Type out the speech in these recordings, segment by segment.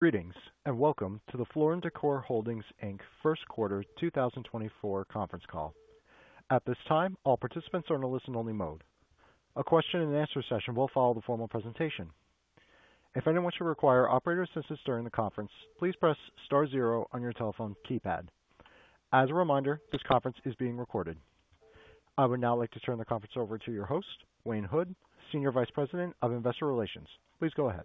Greetings, and welcome to the Floor & Decor Holdings, Inc. first quarter 2024 conference call. At this time, all participants are in a listen-only mode. A question-and-answer session will follow the formal presentation. If anyone should require operator assistance during the conference, please press star zero on your telephone keypad. As a reminder, this conference is being recorded. I would now like to turn the conference over to your host, Wayne Hood, Senior Vice President of Investor Relations. Please go ahead.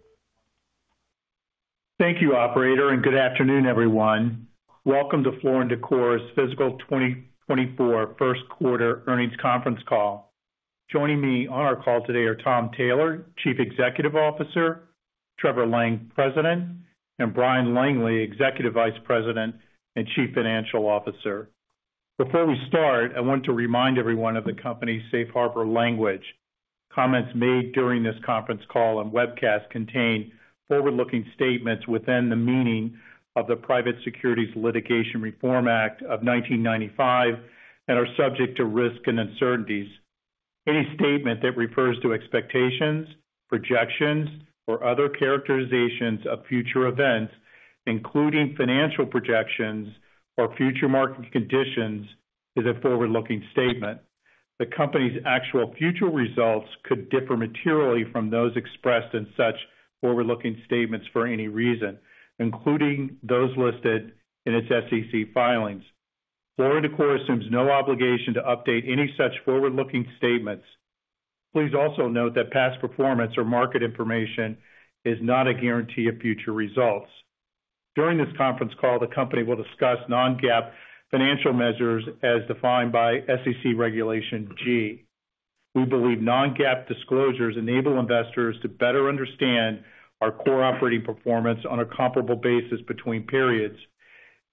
Thank you, Operator, and good afternoon, everyone. Welcome to Floor & Decor's fiscal 2024 first quarter earnings conference call. Joining me on our call today are Tom Taylor, Chief Executive Officer, Trevor Lang, President, and Bryan Langley, Executive Vice President and Chief Financial Officer. Before we start, I wanted to remind everyone of the company's safe harbor language. Comments made during this conference call and webcast contain forward-looking statements within the meaning of the Private Securities Litigation Reform Act of 1995 and are subject to risk and uncertainties. Any statement that refers to expectations, projections, or other characterizations of future events, including financial projections or future market conditions, is a forward-looking statement. The company's actual future results could differ materially from those expressed in such forward-looking statements for any reason, including those listed in its SEC filings. Floor & Decor assumes no obligation to update any such forward-looking statements. Please also note that past performance or market information is not a guarantee of future results. During this conference call, the company will discuss non-GAAP financial measures as defined by SEC Regulation G. We believe non-GAAP disclosures enable investors to better understand our core operating performance on a comparable basis between periods.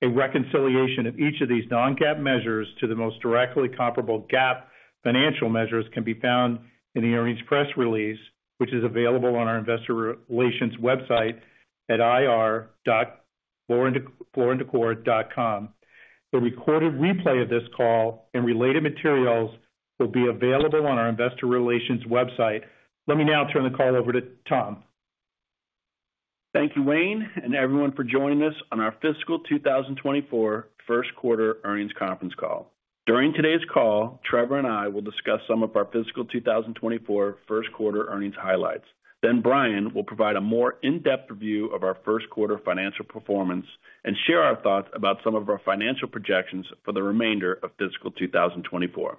A reconciliation of each of these non-GAAP measures to the most directly comparable GAAP financial measures can be found in the earnings press release, which is available on our Investor Relations website at ir.flooranddecor.com. A recorded replay of this call and related materials will be available on our Investor Relations website. Let me now turn the call over to Tom. Thank you, Wayne, and everyone for joining us on our fiscal 2024 first quarter earnings conference call. During today's call, Trevor and I will discuss some of our fiscal 2024 first quarter earnings highlights. Then Bryan will provide a more in-depth review of our first quarter financial performance and share our thoughts about some of our financial projections for the remainder of fiscal 2024.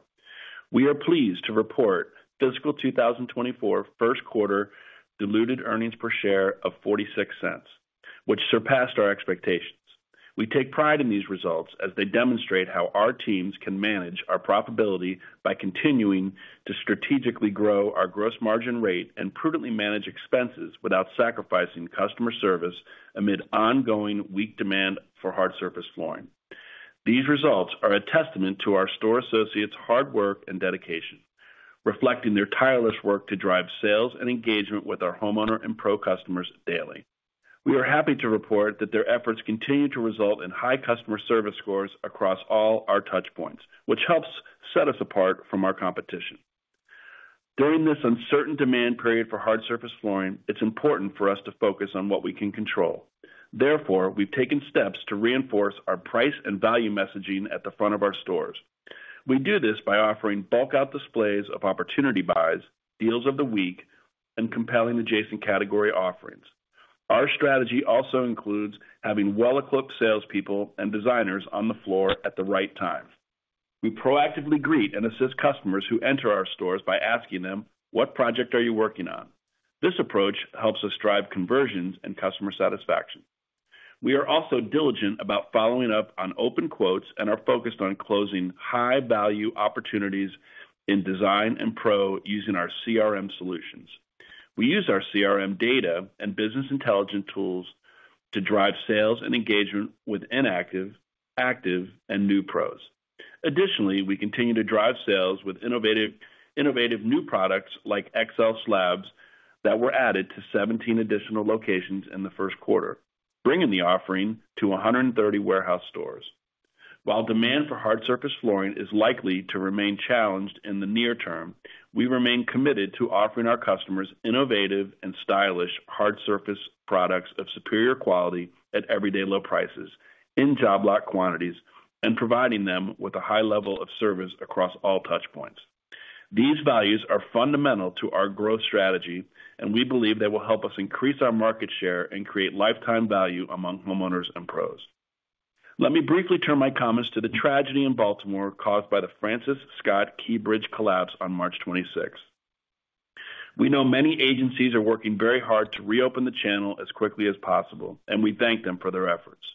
We are pleased to report fiscal 2024 first quarter diluted earnings per share of $0.46, which surpassed our expectations. We take pride in these results as they demonstrate how our teams can manage our profitability by continuing to strategically grow our gross margin rate and prudently manage expenses without sacrificing customer service amid ongoing weak demand for hard surface flooring. These results are a testament to our store associates' hard work and dedication, reflecting their tireless work to drive sales and engagement with our homeowner and pro customers daily. We are happy to report that their efforts continue to result in high customer service scores across all our touchpoints, which helps set us apart from our competition. During this uncertain demand period for hard surface flooring, it's important for us to focus on what we can control. Therefore, we've taken steps to reinforce our price and value messaging at the front of our stores. We do this by offering bulk-out displays of opportunity buys, deals of the week, and compelling adjacent category offerings. Our strategy also includes having well-equipped salespeople and designers on the floor at the right times. We proactively greet and assist customers who enter our stores by asking them, "What project are you working on?" This approach helps us drive conversions and customer satisfaction. We are also diligent about following up on open quotes and are focused on closing high-value opportunities in design and pro using our CRM solutions. We use our CRM data and business intelligence tools to drive sales and engagement with inactive, active, and new pros. Additionally, we continue to drive sales with innovative new products like XL slabs that were added to 17 additional locations in the first quarter, bringing the offering to 130 warehouse stores. While demand for hard surface flooring is likely to remain challenged in the near term, we remain committed to offering our customers innovative and stylish hard surface products of superior quality at everyday low prices, in job lot quantities, and providing them with a high level of service across all touchpoints. These values are fundamental to our growth strategy, and we believe they will help us increase our market share and create lifetime value among homeowners and pros. Let me briefly turn my comments to the tragedy in Baltimore caused by the Francis Scott Key Bridge collapse on March 26. We know many agencies are working very hard to reopen the channel as quickly as possible, and we thank them for their efforts.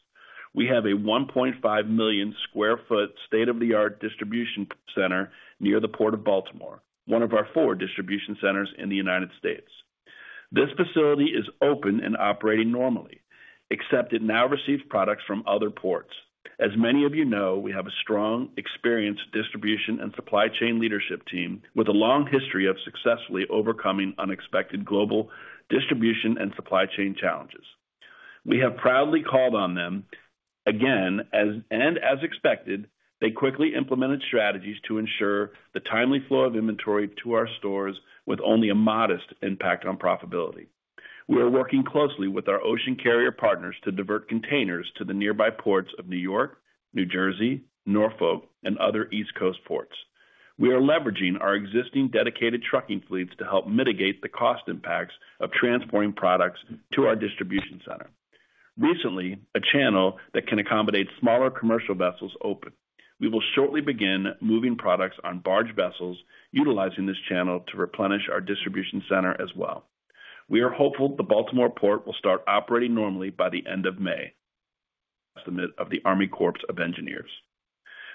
We have a 1.5 million sq ft state-of-the-art distribution center near the Port of Baltimore, one of our four distribution centers in the United States. This facility is open and operating normally, except it now receives products from other ports. As many of you know, we have a strong, experienced distribution and supply chain leadership team with a long history of successfully overcoming unexpected global distribution and supply chain challenges. We have proudly called on them, again and as expected, they quickly implemented strategies to ensure the timely flow of inventory to our stores with only a modest impact on profitability. We are working closely with our ocean carrier partners to divert containers to the nearby ports of New York, New Jersey, Norfolk, and other East Coast ports. We are leveraging our existing dedicated trucking fleets to help mitigate the cost impacts of transporting products to our distribution center. Recently, a channel that can accommodate smaller commercial vessels opened. We will shortly begin moving products on barge vessels utilizing this channel to replenish our distribution center as well. We are hopeful the Baltimore port will start operating normally by the end of May, estimate of the Army Corps of Engineers.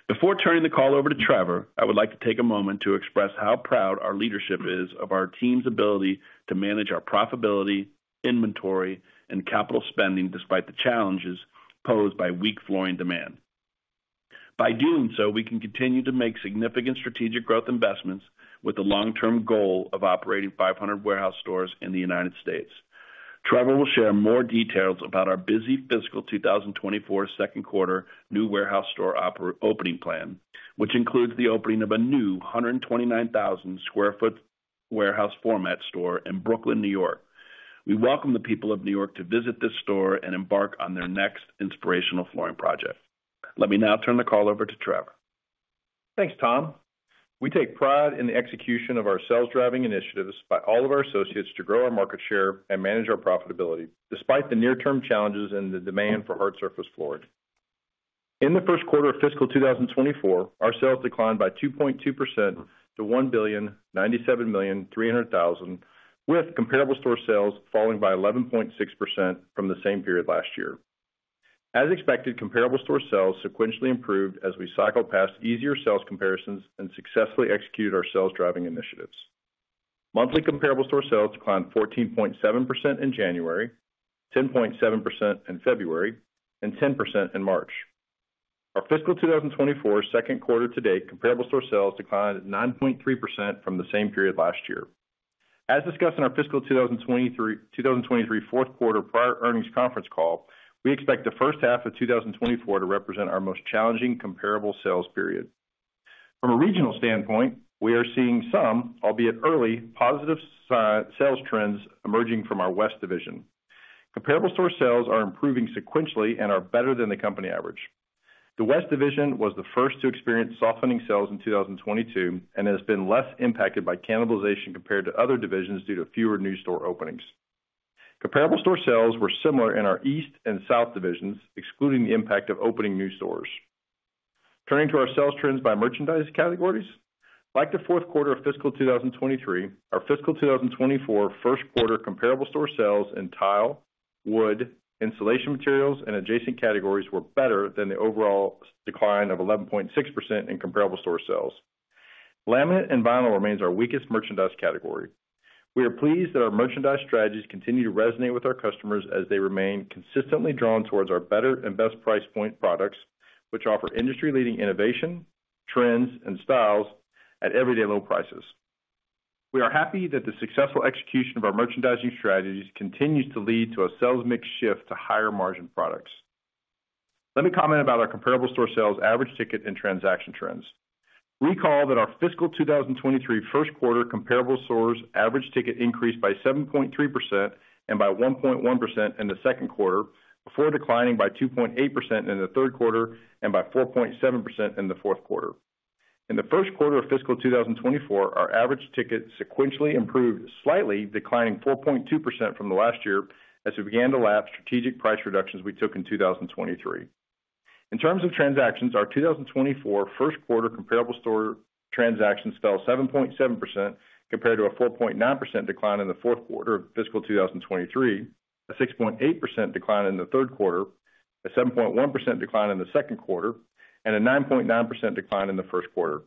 Before turning the call over to Trevor, I would like to take a moment to express how proud our leadership is of our team's ability to manage our profitability, inventory, and capital spending despite the challenges posed by weak flooring demand. By doing so, we can continue to make significant strategic growth investments with the long-term goal of operating 500 warehouse stores in the United States. Trevor will share more details about our busy fiscal 2024 second quarter new warehouse store opening plan, which includes the opening of a new 129,000 sq ft warehouse format store in Brooklyn, New York. We welcome the people of New York to visit this store and embark on their next inspirational flooring project. Let me now turn the call over to Trevor. Thanks, Tom. We take pride in the execution of our sales-driving initiatives by all of our associates to grow our market share and manage our profitability despite the near-term challenges and the demand for hard surface flooring. In the first quarter of fiscal 2024, our sales declined by 2.2% to $1,097,300,000, with comparable store sales falling by 11.6% from the same period last year. As expected, comparable store sales sequentially improved as we cycled past easier sales comparisons and successfully executed our sales-driving initiatives. Monthly comparable store sales declined 14.7% in January, 10.7% in February, and 10% in March. Our fiscal 2024 second quarter-to-date comparable store sales declined 9.3% from the same period last year. As discussed in our fiscal 2023 fourth quarter prior earnings conference call, we expect the first half of 2024 to represent our most challenging comparable sales period. From a regional standpoint, we are seeing some, albeit early, positive sales trends emerging from our West Division. Comparable store sales are improving sequentially and are better than the company average. The West Division was the first to experience softening sales in 2022 and has been less impacted by cannibalization compared to other divisions due to fewer new store openings. Comparable store sales were similar in our East and South Divisions, excluding the impact of opening new stores. Turning to our sales trends by merchandise categories. Like the fourth quarter of fiscal 2023, our fiscal 2024 first quarter comparable store sales in tile, wood, installation materials, and adjacent categories were better than the overall decline of 11.6% in comparable store sales. Laminate and vinyl remains our weakest merchandise category. We are pleased that our merchandise strategies continue to resonate with our customers as they remain consistently drawn towards our better and best price point products, which offer industry-leading innovation, trends, and styles at everyday low prices. We are happy that the successful execution of our merchandising strategies continues to lead to a sales mix shift to higher margin products. Let me comment about our comparable store sales average ticket and transaction trends. Recall that our fiscal 2023 first quarter comparable stores average ticket increased by 7.3% and by 1.1% in the second quarter before declining by 2.8% in the third quarter and by 4.7% in the fourth quarter. In the first quarter of fiscal 2024, our average ticket sequentially improved slightly, declining 4.2% from the last year as we began to lapse strategic price reductions we took in 2023. In terms of transactions, our 2024 first quarter comparable store transactions fell 7.7% compared to a 4.9% decline in the fourth quarter of fiscal 2023, a 6.8% decline in the third quarter, a 7.1% decline in the second quarter, and a 9.9% decline in the first quarter.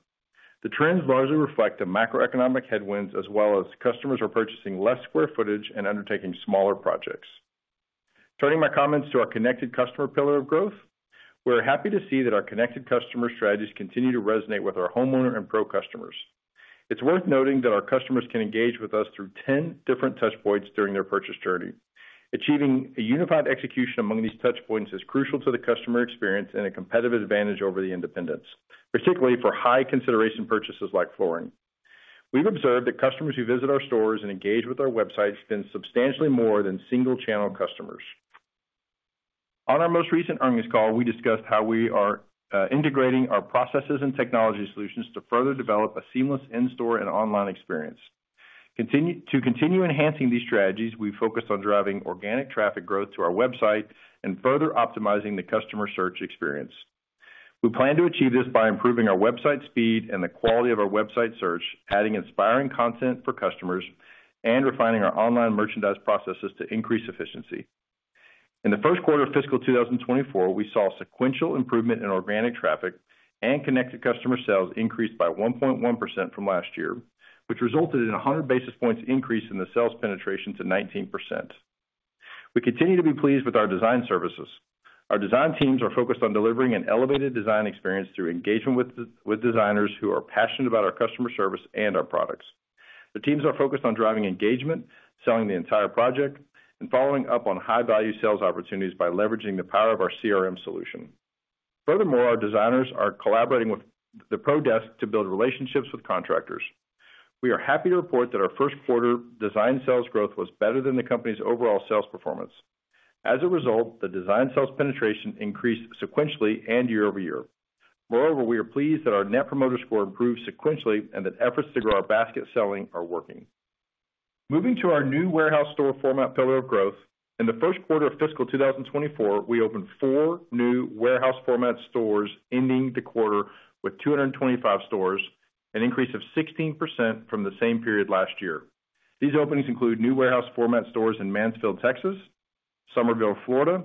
The trends largely reflect the macroeconomic headwinds as well as customers are purchasing less square footage and undertaking smaller projects. Turning my comments to our connected customer pillar of growth. We are happy to see that our connected customer strategies continue to resonate with our homeowner and pro customers. It's worth noting that our customers can engage with us through 10 different touchpoints during their purchase journey. Achieving a unified execution among these touchpoints is crucial to the customer experience and a competitive advantage over the independents, particularly for high consideration purchases like flooring. We've observed that customers who visit our stores and engage with our website spend substantially more than single-channel customers. On our most recent earnings call, we discussed how we are integrating our processes and technology solutions to further develop a seamless in-store and online experience. To continue enhancing these strategies, we've focused on driving organic traffic growth to our website and further optimizing the customer search experience. We plan to achieve this by improving our website speed and the quality of our website search, adding inspiring content for customers, and refining our online merchandise processes to increase efficiency. In the first quarter of fiscal 2024, we saw sequential improvement in organic traffic and connected customer sales increased by 1.1% from last year, which resulted in a 100 basis points increase in the sales penetration to 19%. We continue to be pleased with our design services. Our design teams are focused on delivering an elevated design experience through engagement with designers who are passionate about our customer service and our products. The teams are focused on driving engagement, selling the entire project, and following up on high-value sales opportunities by leveraging the power of our CRM solution. Furthermore, our designers are collaborating with the Pro Desk to build relationships with contractors. We are happy to report that our first quarter design sales growth was better than the company's overall sales performance. As a result, the design sales penetration increased sequentially and year over year. Moreover, we are pleased that our Net Promoter Score improved sequentially and that efforts to grow our basket selling are working. Moving to our new warehouse store format pillar of growth. In the first quarter of fiscal 2024, we opened 4 new warehouse format stores ending the quarter with 225 stores, an increase of 16% from the same period last year. These openings include new warehouse format stores in Mansfield, Texas, Sorrento, Florida,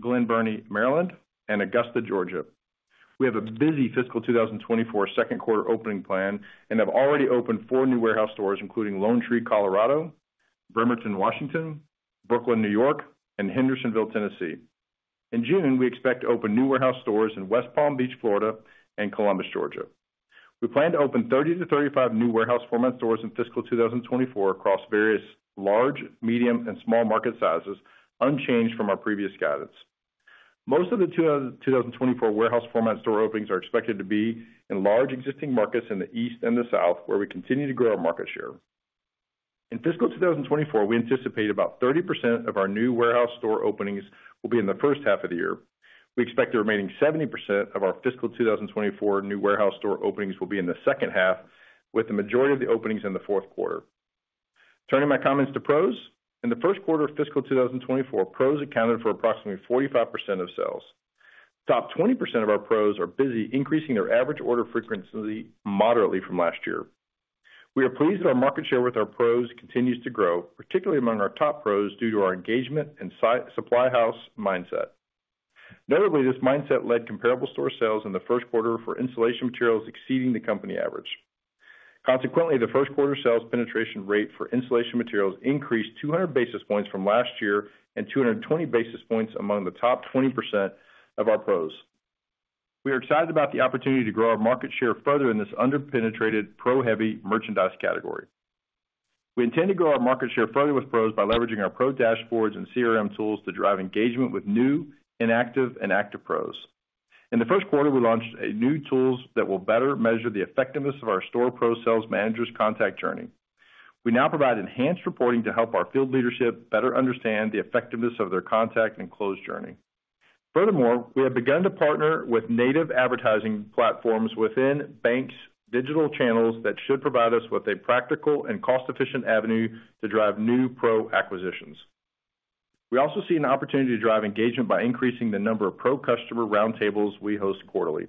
Glen Burnie, Maryland, and Augusta, Georgia. We have a busy fiscal 2024 second quarter opening plan and have already opened 4 new warehouse stores, including Lone Tree, Colorado, Bremerton, Washington, Brooklyn, New York, and Hendersonville, Tennessee. In June, we expect to open new warehouse stores in West Palm Beach, Florida, and Columbus, Georgia. We plan to open 30-35 new warehouse format stores in fiscal 2024 across various large, medium, and small market sizes, unchanged from our previous guidance. Most of the 2024 warehouse format store openings are expected to be in large existing markets in the East and the South where we continue to grow our market share. In fiscal 2024, we anticipate about 30% of our new warehouse store openings will be in the first half of the year. We expect the remaining 70% of our fiscal 2024 new warehouse store openings will be in the second half, with the majority of the openings in the fourth quarter. Turning my comments to pros. In the first quarter of fiscal 2024, pros accounted for approximately 45% of sales. Top 20% of our pros are busy increasing their average order frequency moderately from last year. We are pleased that our market share with our pros continues to grow, particularly among our top pros due to our engagement and supply house mindset. Notably, this mindset led comparable store sales in the first quarter for installation materials exceeding the company average. Consequently, the first quarter sales penetration rate for installation materials increased 200 basis points from last year and 220 basis points among the top 20% of our pros. We are excited about the opportunity to grow our market share further in this under-penetrated pro-heavy merchandise category. We intend to grow our market share further with pros by leveraging our pro dashboards and CRM tools to drive engagement with new, inactive, and active pros. In the first quarter, we launched new tools that will better measure the effectiveness of our store pro sales managers' contact journey. We now provide enhanced reporting to help our field leadership better understand the effectiveness of their contact and close journey. Furthermore, we have begun to partner with native advertising platforms within banks' digital channels that should provide us with a practical and cost-efficient avenue to drive new pro acquisitions. We also see an opportunity to drive engagement by increasing the number of pro customer roundtables we host quarterly.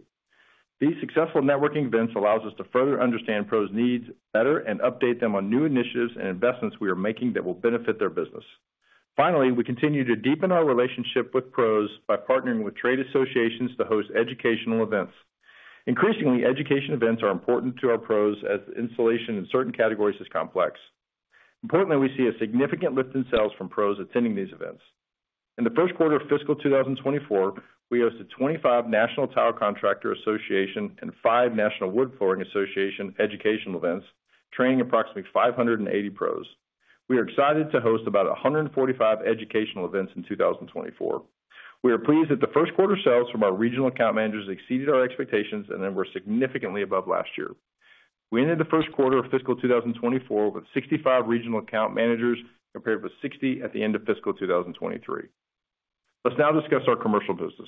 These successful networking events allow us to further understand pros' needs better and update them on new initiatives and investments we are making that will benefit their business. Finally, we continue to deepen our relationship with pros by partnering with trade associations to host educational events. Increasingly, education events are important to our pros as installation in certain categories is complex. Importantly, we see a significant lift in sales from pros attending these events. In the first quarter of fiscal 2024, we hosted 25 National Tile Contractors Association and 5 National Wood Flooring Association educational events, training approximately 580 pros. We are excited to host about 145 educational events in 2024. We are pleased that the first quarter sales from our regional account managers exceeded our expectations and were significantly above last year. We ended the first quarter of fiscal 2024 with 65 regional account managers compared with 60 at the end of fiscal 2023. Let's now discuss our commercial business.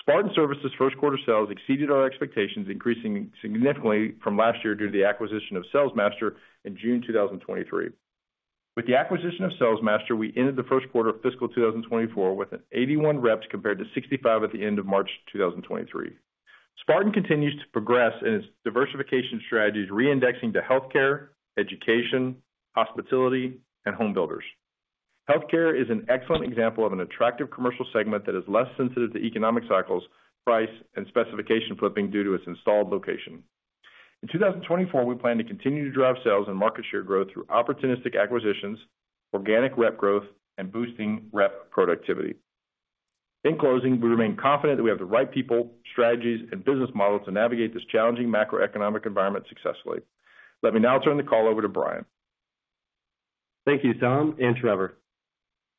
Spartan Surfaces' first quarter sales exceeded our expectations, increasing significantly from last year due to the acquisition of SalesMaster in June 2023. With the acquisition of SalesMaster, we ended the first quarter of fiscal 2024 with 81 reps compared to 65 at the end of March 2023. Spartan Surfaces continues to progress in its diversification strategies, reindexing to healthcare, education, hospitality, and home builders. Healthcare is an excellent example of an attractive commercial segment that is less sensitive to economic cycles, price, and specification flipping due to its installed location. In 2024, we plan to continue to drive sales and market share growth through opportunistic acquisitions, organic rep growth, and boosting rep productivity. In closing, we remain confident that we have the right people, strategies, and business model to navigate this challenging macroeconomic environment successfully. Let me now turn the call over to Bryan. Thank you, Tom and Trevor.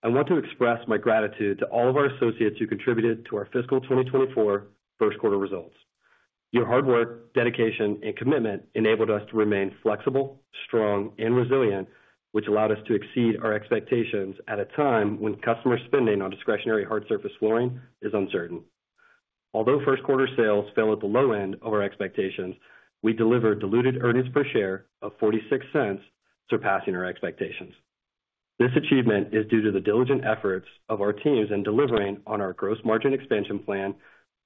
I want to express my gratitude to all of our associates who contributed to our fiscal 2024 first quarter results. Your hard work, dedication, and commitment enabled us to remain flexible, strong, and resilient, which allowed us to exceed our expectations at a time when customer spending on discretionary hard surface flooring is uncertain. Although first quarter sales fell at the low end of our expectations, we delivered diluted earnings per share of $0.46, surpassing our expectations. This achievement is due to the diligent efforts of our teams in delivering on our gross margin expansion plan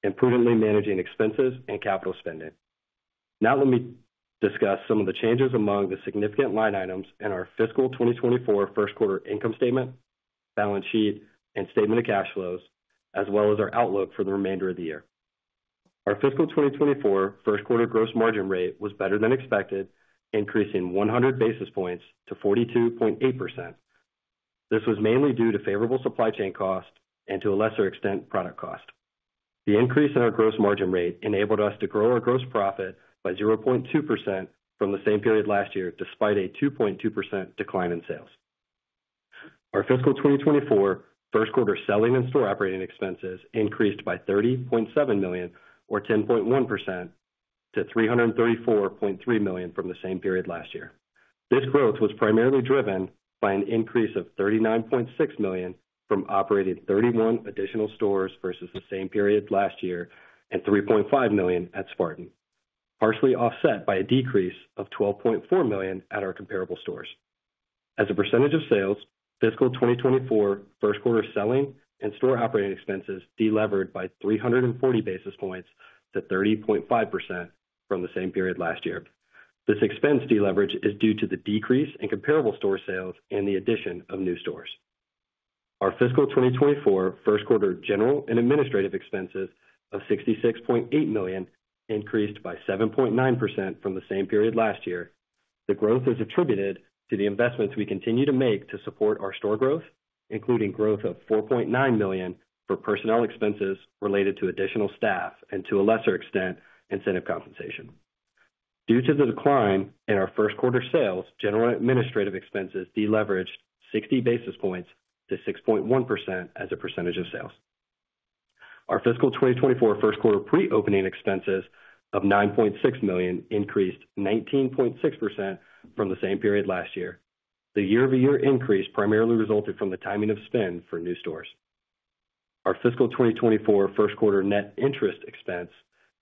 and prudently managing expenses and capital spending. Now let me discuss some of the changes among the significant line items in our fiscal 2024 first quarter income statement, balance sheet, and statement of cash flows, as well as our outlook for the remainder of the year. Our fiscal 2024 first quarter gross margin rate was better than expected, increasing 100 basis points to 42.8%. This was mainly due to favorable supply chain cost and to a lesser extent product cost. The increase in our gross margin rate enabled us to grow our gross profit by 0.2% from the same period last year despite a 2.2% decline in sales. Our fiscal 2024 first quarter selling and store operating expenses increased by $30.7 million, or 10.1%, to $334.3 million from the same period last year. This growth was primarily driven by an increase of $39.6 million from operating 31 additional stores versus the same period last year and $3.5 million at Spartan, partially offset by a decrease of $12.4 million at our comparable stores. As a percentage of sales, fiscal 2024 first quarter selling and store operating expenses delevered by 340 basis points to 30.5% from the same period last year. This expense deleverage is due to the decrease in comparable store sales and the addition of new stores. Our fiscal 2024 first quarter general and administrative expenses of $66.8 million increased by 7.9% from the same period last year. The growth is attributed to the investments we continue to make to support our store growth, including growth of $4.9 million for personnel expenses related to additional staff and to a lesser extent incentive compensation. Due to the decline in our first quarter sales, general and administrative expenses deleveraged 60 basis points to 6.1% as a percentage of sales. Our fiscal 2024 first quarter pre-opening expenses of $9.6 million increased 19.6% from the same period last year. The year-over-year increase primarily resulted from the timing of spend for new stores. Our fiscal 2024 first quarter net interest expense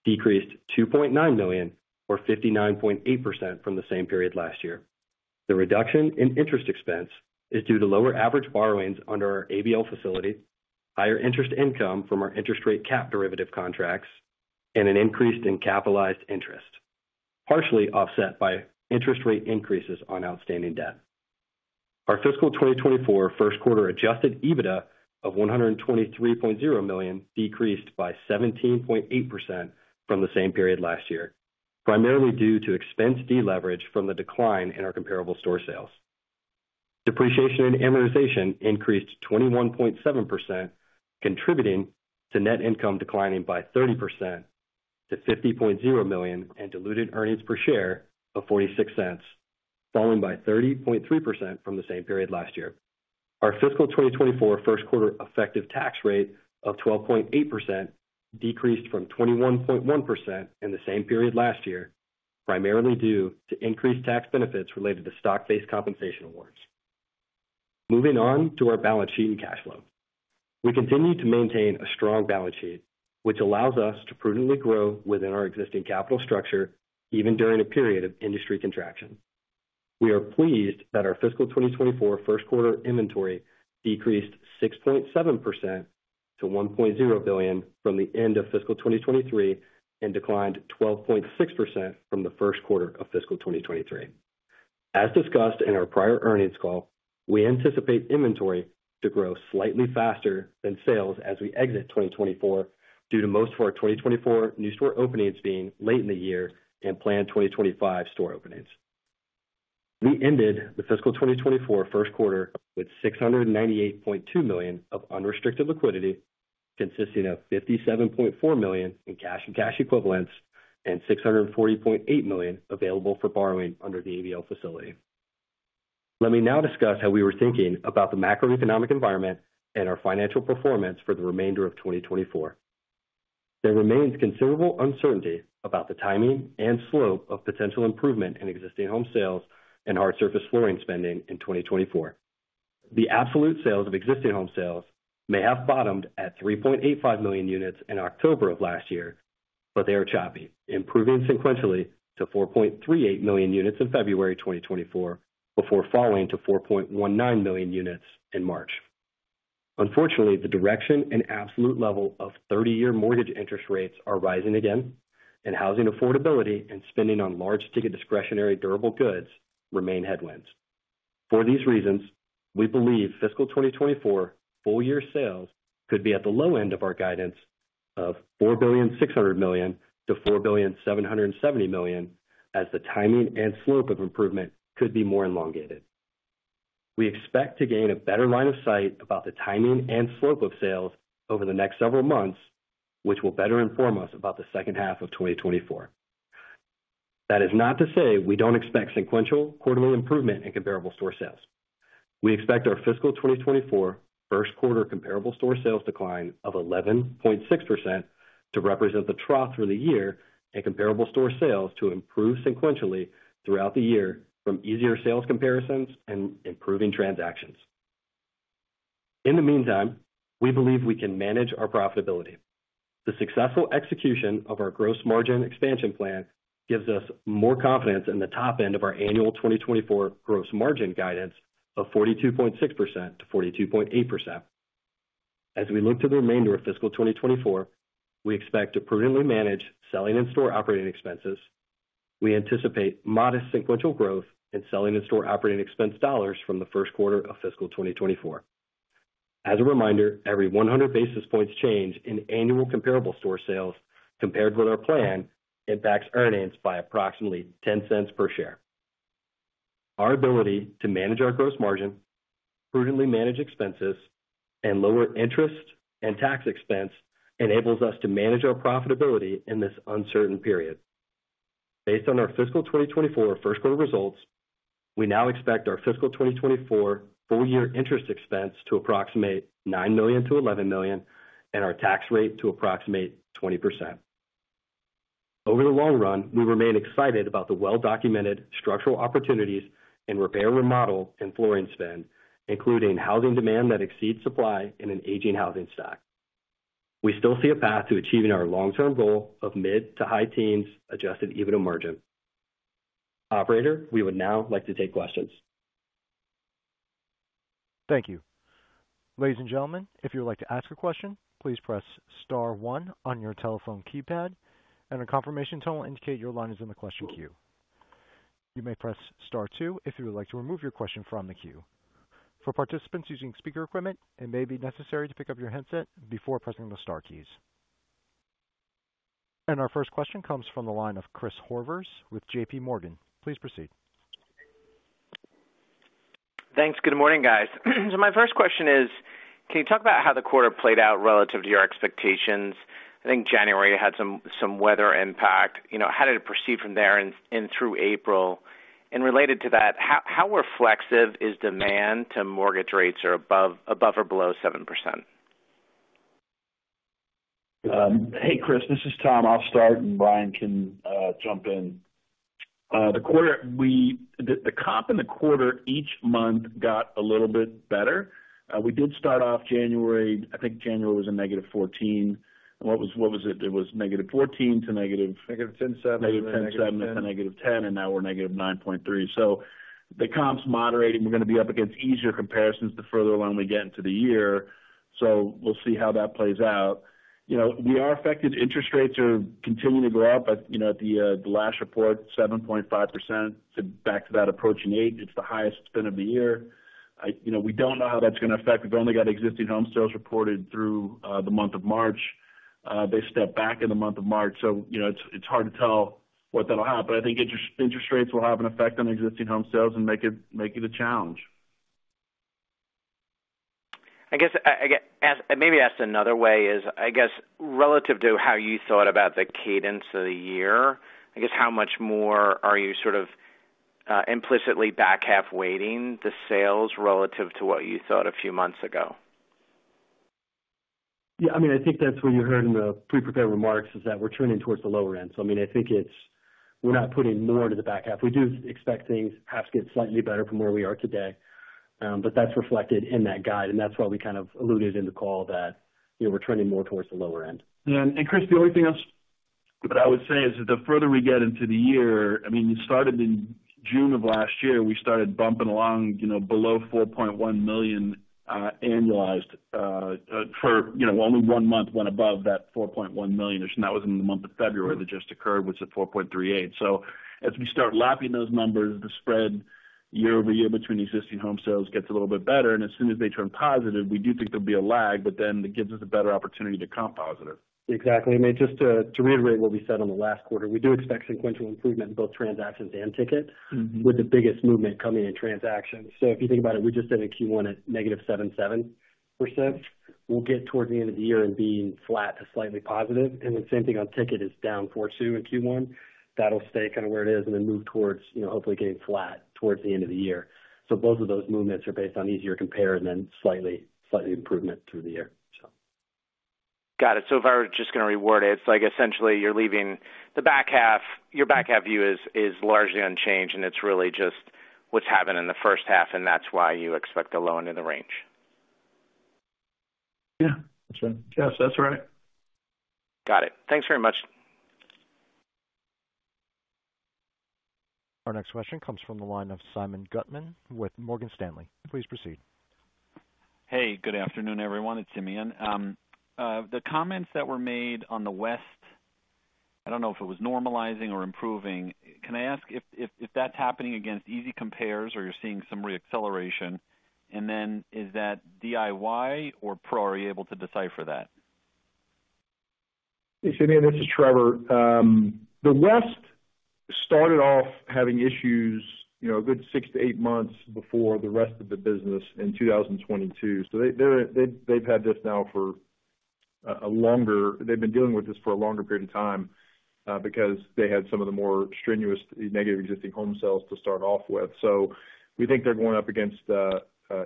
decreased $2.9 million, or 59.8% from the same period last year. The reduction in interest expense is due to lower average borrowings under our ABL facility, higher interest income from our interest rate cap derivative contracts, and an increase in capitalized interest, partially offset by interest rate increases on outstanding debt. Our fiscal 2024 first quarter adjusted EBITDA of $123.0 million decreased by 17.8% from the same period last year, primarily due to expense deleverage from the decline in our comparable store sales. Depreciation and amortization increased 21.7%, contributing to net income declining by 30% to $50.0 million and diluted earnings per share of $0.46, falling by 30.3% from the same period last year. Our fiscal 2024 first quarter effective tax rate of 12.8% decreased from 21.1% in the same period last year, primarily due to increased tax benefits related to stock-based compensation awards. Moving on to our balance sheet and cash flow. We continue to maintain a strong balance sheet, which allows us to prudently grow within our existing capital structure even during a period of industry contraction. We are pleased that our fiscal 2024 first quarter inventory decreased 6.7% to $1.0 billion from the end of fiscal 2023 and declined 12.6% from the first quarter of fiscal 2023. As discussed in our prior earnings call, we anticipate inventory to grow slightly faster than sales as we exit 2024 due to most of our 2024 new store openings being late in the year and planned 2025 store openings. We ended the fiscal 2024 first quarter with $698.2 million of unrestricted liquidity, consisting of $57.4 million in cash and cash equivalents and $640.8 million available for borrowing under the ABL facility. Let me now discuss how we were thinking about the macroeconomic environment and our financial performance for the remainder of 2024. There remains considerable uncertainty about the timing and slope of potential improvement in existing home sales and hard surface flooring spending in 2024. The absolute sales of existing home sales may have bottomed at 3.85 million units in October of last year, but they are choppy, improving sequentially to 4.38 million units in February 2024 before falling to 4.19 million units in March. Unfortunately, the direction and absolute level of 30-year mortgage interest rates are rising again, and housing affordability and spending on large ticket discretionary durable goods remain headwinds. For these reasons, we believe fiscal 2024 full-year sales could be at the low end of our guidance of $4.6 billion-$4.77 billion as the timing and slope of improvement could be more elongated. We expect to gain a better line of sight about the timing and slope of sales over the next several months, which will better inform us about the second half of 2024. That is not to say we don't expect sequential quarterly improvement in comparable store sales. We expect our fiscal 2024 first quarter comparable store sales decline of 11.6% to represent the trough through the year and comparable store sales to improve sequentially throughout the year from easier sales comparisons and improving transactions. In the meantime, we believe we can manage our profitability. The successful execution of our gross margin expansion plan gives us more confidence in the top end of our annual 2024 gross margin guidance of 42.6%-42.8%. As we look to the remainder of fiscal 2024, we expect to prudently manage selling and store operating expenses. We anticipate modest sequential growth in selling and store operating expense dollars from the first quarter of fiscal 2024. As a reminder, every 100 basis points change in annual comparable store sales compared with our plan impacts earnings by approximately $0.10 per share. Our ability to manage our gross margin, prudently manage expenses, and lower interest and tax expense enables us to manage our profitability in this uncertain period. Based on our fiscal 2024 first quarter results, we now expect our fiscal 2024 full-year interest expense to approximate $9 million-$11 million and our tax rate to approximate 20%. Over the long run, we remain excited about the well-documented structural opportunities in repair remodel and flooring spend, including housing demand that exceeds supply in an aging housing stock. We still see a path to achieving our long-term goal of mid- to high-teens adjusted EBITDA margin. Operator, we would now like to take questions. Thank you. Ladies and gentlemen, if you would like to ask a question, please press star one on your telephone keypad and a confirmation tone will indicate your line is in the question queue. You may press star two if you would like to remove your question from the queue. For participants using speaker equipment, it may be necessary to pick up your headset before pressing the star keys. Our first question comes from the line of Chris Horvers with JP Morgan. Please proceed. Thanks. Good morning, guys. So my first question is, can you talk about how the quarter played out relative to your expectations? I think January had some weather impact. How did it proceed from there and through April? And related to that, how reflexive is demand to mortgage rates or above or below 7%? Hey, Chris. This is Tom. I'll start and Bryan can jump in. The comp in the quarter each month got a little bit better. We did start off January. I think January was a -14. What was it? It was -14 to negative-. Negative 10.7. Negative 10.7 to -10, and now we're -9.3. So the comp's moderating. We're going to be up against easier comparisons the further along we get into the year, so we'll see how that plays out. We are affected. Interest rates are continuing to go up. At the last report, 7.5% back to that approaching 8%. It's the highest spend of the year. We don't know how that's going to affect. We've only got existing home sales reported through the month of March. They stepped back in the month of March, so it's hard to tell what that'll happen. I think interest rates will have an effect on existing home sales and make it a challenge. I guess maybe asked another way is, I guess relative to how you thought about the cadence of the year, I guess how much more are you sort of implicitly back half weighting the sales relative to what you thought a few months ago? Yeah. I mean, I think that's what you heard in the prepared remarks, is that we're turning towards the lower end. So I mean, I think we're not putting more into the back half. We do expect things have to get slightly better from where we are today, but that's reflected in that guide, and that's why we kind of alluded in the call that we're turning more towards the lower end. Chris, the only thing else that I would say is that the further we get into the year, I mean, you started in June of last year. We started bumping along below 4.1 million annualized for only 1 month went above that 4.1 million. That was in the month of February that just occurred, which is 4.38. So as we start lapping those numbers, the spread year-over-year between existing home sales gets a little bit better, and as soon as they turn positive, we do think there'll be a lag, but then it gives us a better opportunity to comp positive. Exactly. I mean, just to reiterate what we said on the last quarter, we do expect sequential improvement in both transactions and ticket with the biggest movement coming in transactions. So if you think about it, we just did a Q1 at -7.7%. We'll get towards the end of the year and being flat to slightly positive. And then same thing on ticket is down 4.2% in Q1. That'll stay kind of where it is and then move towards hopefully getting flat towards the end of the year. So both of those movements are based on easier compare and then slightly improvement through the year, so. Got it. So if I were just going to reword it, it's essentially you're leaving the back half. Your back half view is largely unchanged, and it's really just what's happened in the first half, and that's why you expect a low end in the range. Yeah. That's right. Yes, that's right. Got it. Thanks very much. Our next question comes from the line of Simeon Gutman with Morgan Stanley. Please proceed. Hey, good afternoon, everyone. It's Simeon. The comments that were made on the West, I don't know if it was normalizing or improving. Can I ask if that's happening against easy compares or you're seeing some reacceleration, and then is that DIY or Pro? Are you able to decipher that? Hey, Simeon. This is Trevor. The West started off having issues a good 6-8 months before the rest of the business in 2022. So they've had this now for a longer period of time because they had some of the more strenuous negative existing home sales to start off with. So we think they're going up against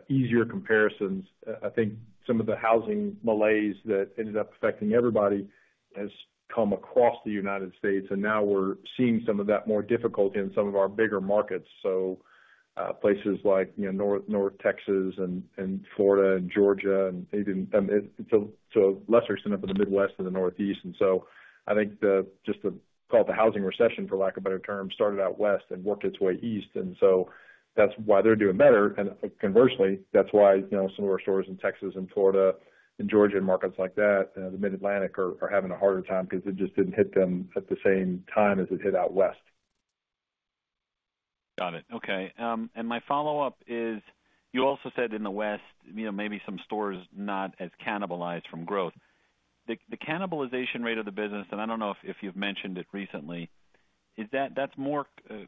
easier comparisons. I think some of the housing malaise that ended up affecting everybody has come across the United States, and now we're seeing some of that more difficulty in some of our bigger markets, so places like North Texas and Florida and Georgia and even to a lesser extent up in the Midwest and the Northeast. And so I think just to call it the housing recession, for lack of a better term, started out West and worked its way east. And so that's why they're doing better. And conversely, that's why some of our stores in Texas and Florida and Georgia and markets like that, the Mid-Atlantic, are having a harder time because it just didn't hit them at the same time as it hit out West. Got it. Okay. My follow-up is, you also said in the West maybe some stores not as cannibalized from growth. The cannibalization rate of the business, and I don't know if you've mentioned it recently, that's more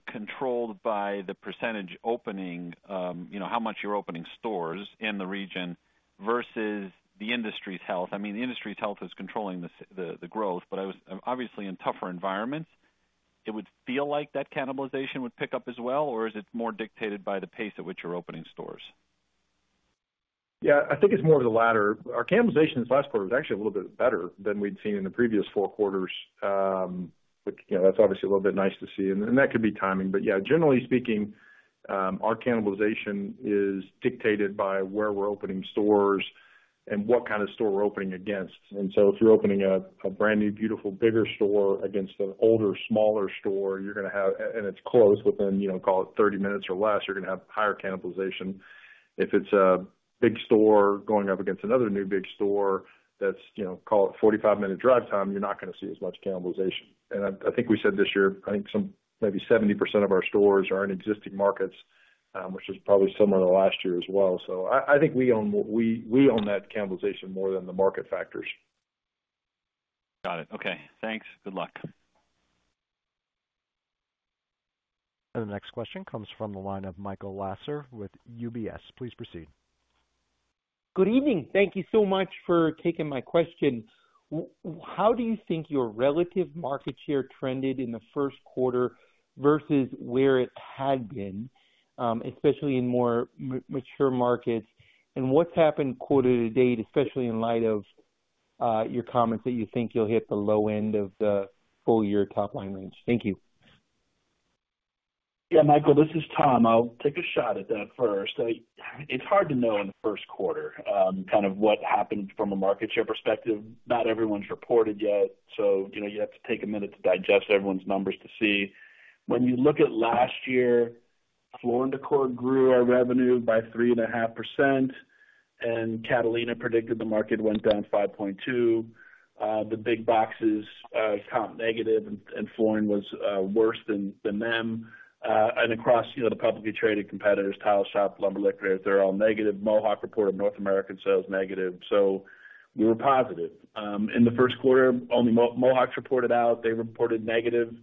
controlled by the percentage opening, how much you're opening stores in the region versus the industry's health. I mean, the industry's health is controlling the growth, but obviously, in tougher environments, it would feel like that cannibalization would pick up as well, or is it more dictated by the pace at which you're opening stores? Yeah, I think it's more of the latter. Our cannibalization in this last quarter was actually a little bit better than we'd seen in the previous four quarters. That's obviously a little bit nice to see, and that could be timing. But yeah, generally speaking, our cannibalization is dictated by where we're opening stores and what kind of store we're opening against. And so if you're opening a brand new, beautiful, bigger store against an older, smaller store, you're going to have and it's close within, call it, 30 minutes or less, you're going to have higher cannibalization. If it's a big store going up against another new big store that's, call it, 45-minute drive time, you're not going to see as much cannibalization. I think we said this year, I think maybe 70% of our stores are in existing markets, which is probably similar to last year as well. I think we own that cannibalization more than the market factors. Got it. Okay. Thanks. Good luck. The next question comes from the line of Michael Lasser with UBS. Please proceed. Good evening. Thank you so much for taking my question. How do you think your relative market share trended in the first quarter versus where it had been, especially in more mature markets? And what's happened quarter to date, especially in light of your comments that you think you'll hit the low end of the full-year top-line range? Thank you. Yeah, Michael, this is Tom. I'll take a shot at that first. It's hard to know in the first quarter kind of what happened from a market share perspective. Not everyone's reported yet, so you have to take a minute to digest everyone's numbers to see. When you look at last year, Floor & Decor grew our revenue by 3.5%, and Catalina predicted the market went down 5.2%. The big boxes comp negative, and Floor & Decor was worse than them. And across the publicly traded competitors, Tile Shop, Lumber Liquidators, they're all negative. Mohawk reported North American sales negative, so we were positive. In the first quarter, only Mohawk's reported out. They reported negative.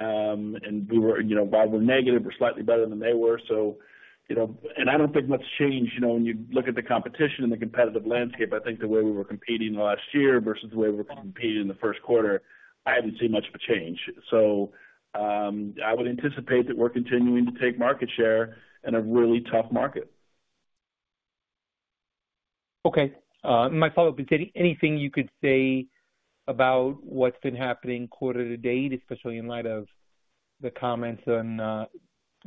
And while we're negative, we're slightly better than they were, so. And I don't think much changed. When you look at the competition and the competitive landscape, I think the way we were competing last year versus the way we were competing in the first quarter, I didn't see much of a change. I would anticipate that we're continuing to take market share in a really tough market. Okay. My follow-up is, anything you could say about what's been happening quarter to date, especially in light of the comments on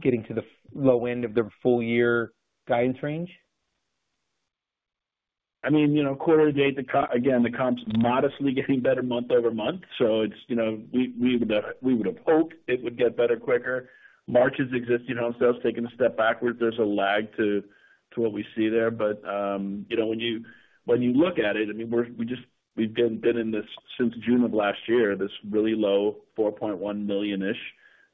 getting to the low end of the full-year guidance range? I mean, quarter to date, again, the comp's modestly getting better month-over-month, so we would have hoped it would get better quicker. March's existing home sales taking a step backwards. There's a lag to what we see there, but when you look at it, I mean, we've been in this since June of last year, this really low 4.1 million-ish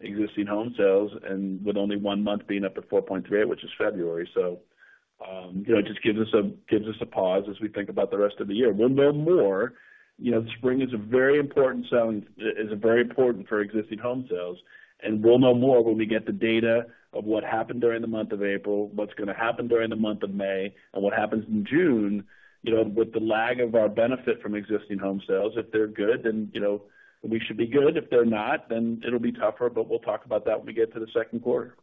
existing home sales, and with only one month being up to 4.38, which is February. So it just gives us a pause as we think about the rest of the year. We'll know more. Spring is a very important selling is very important for existing home sales, and we'll know more when we get the data of what happened during the month of April, what's going to happen during the month of May, and what happens in June with the lag of our benefit from existing home sales. If they're good, then we should be good. If they're not, then it'll be tougher, but we'll talk about that when we get to the second quarter.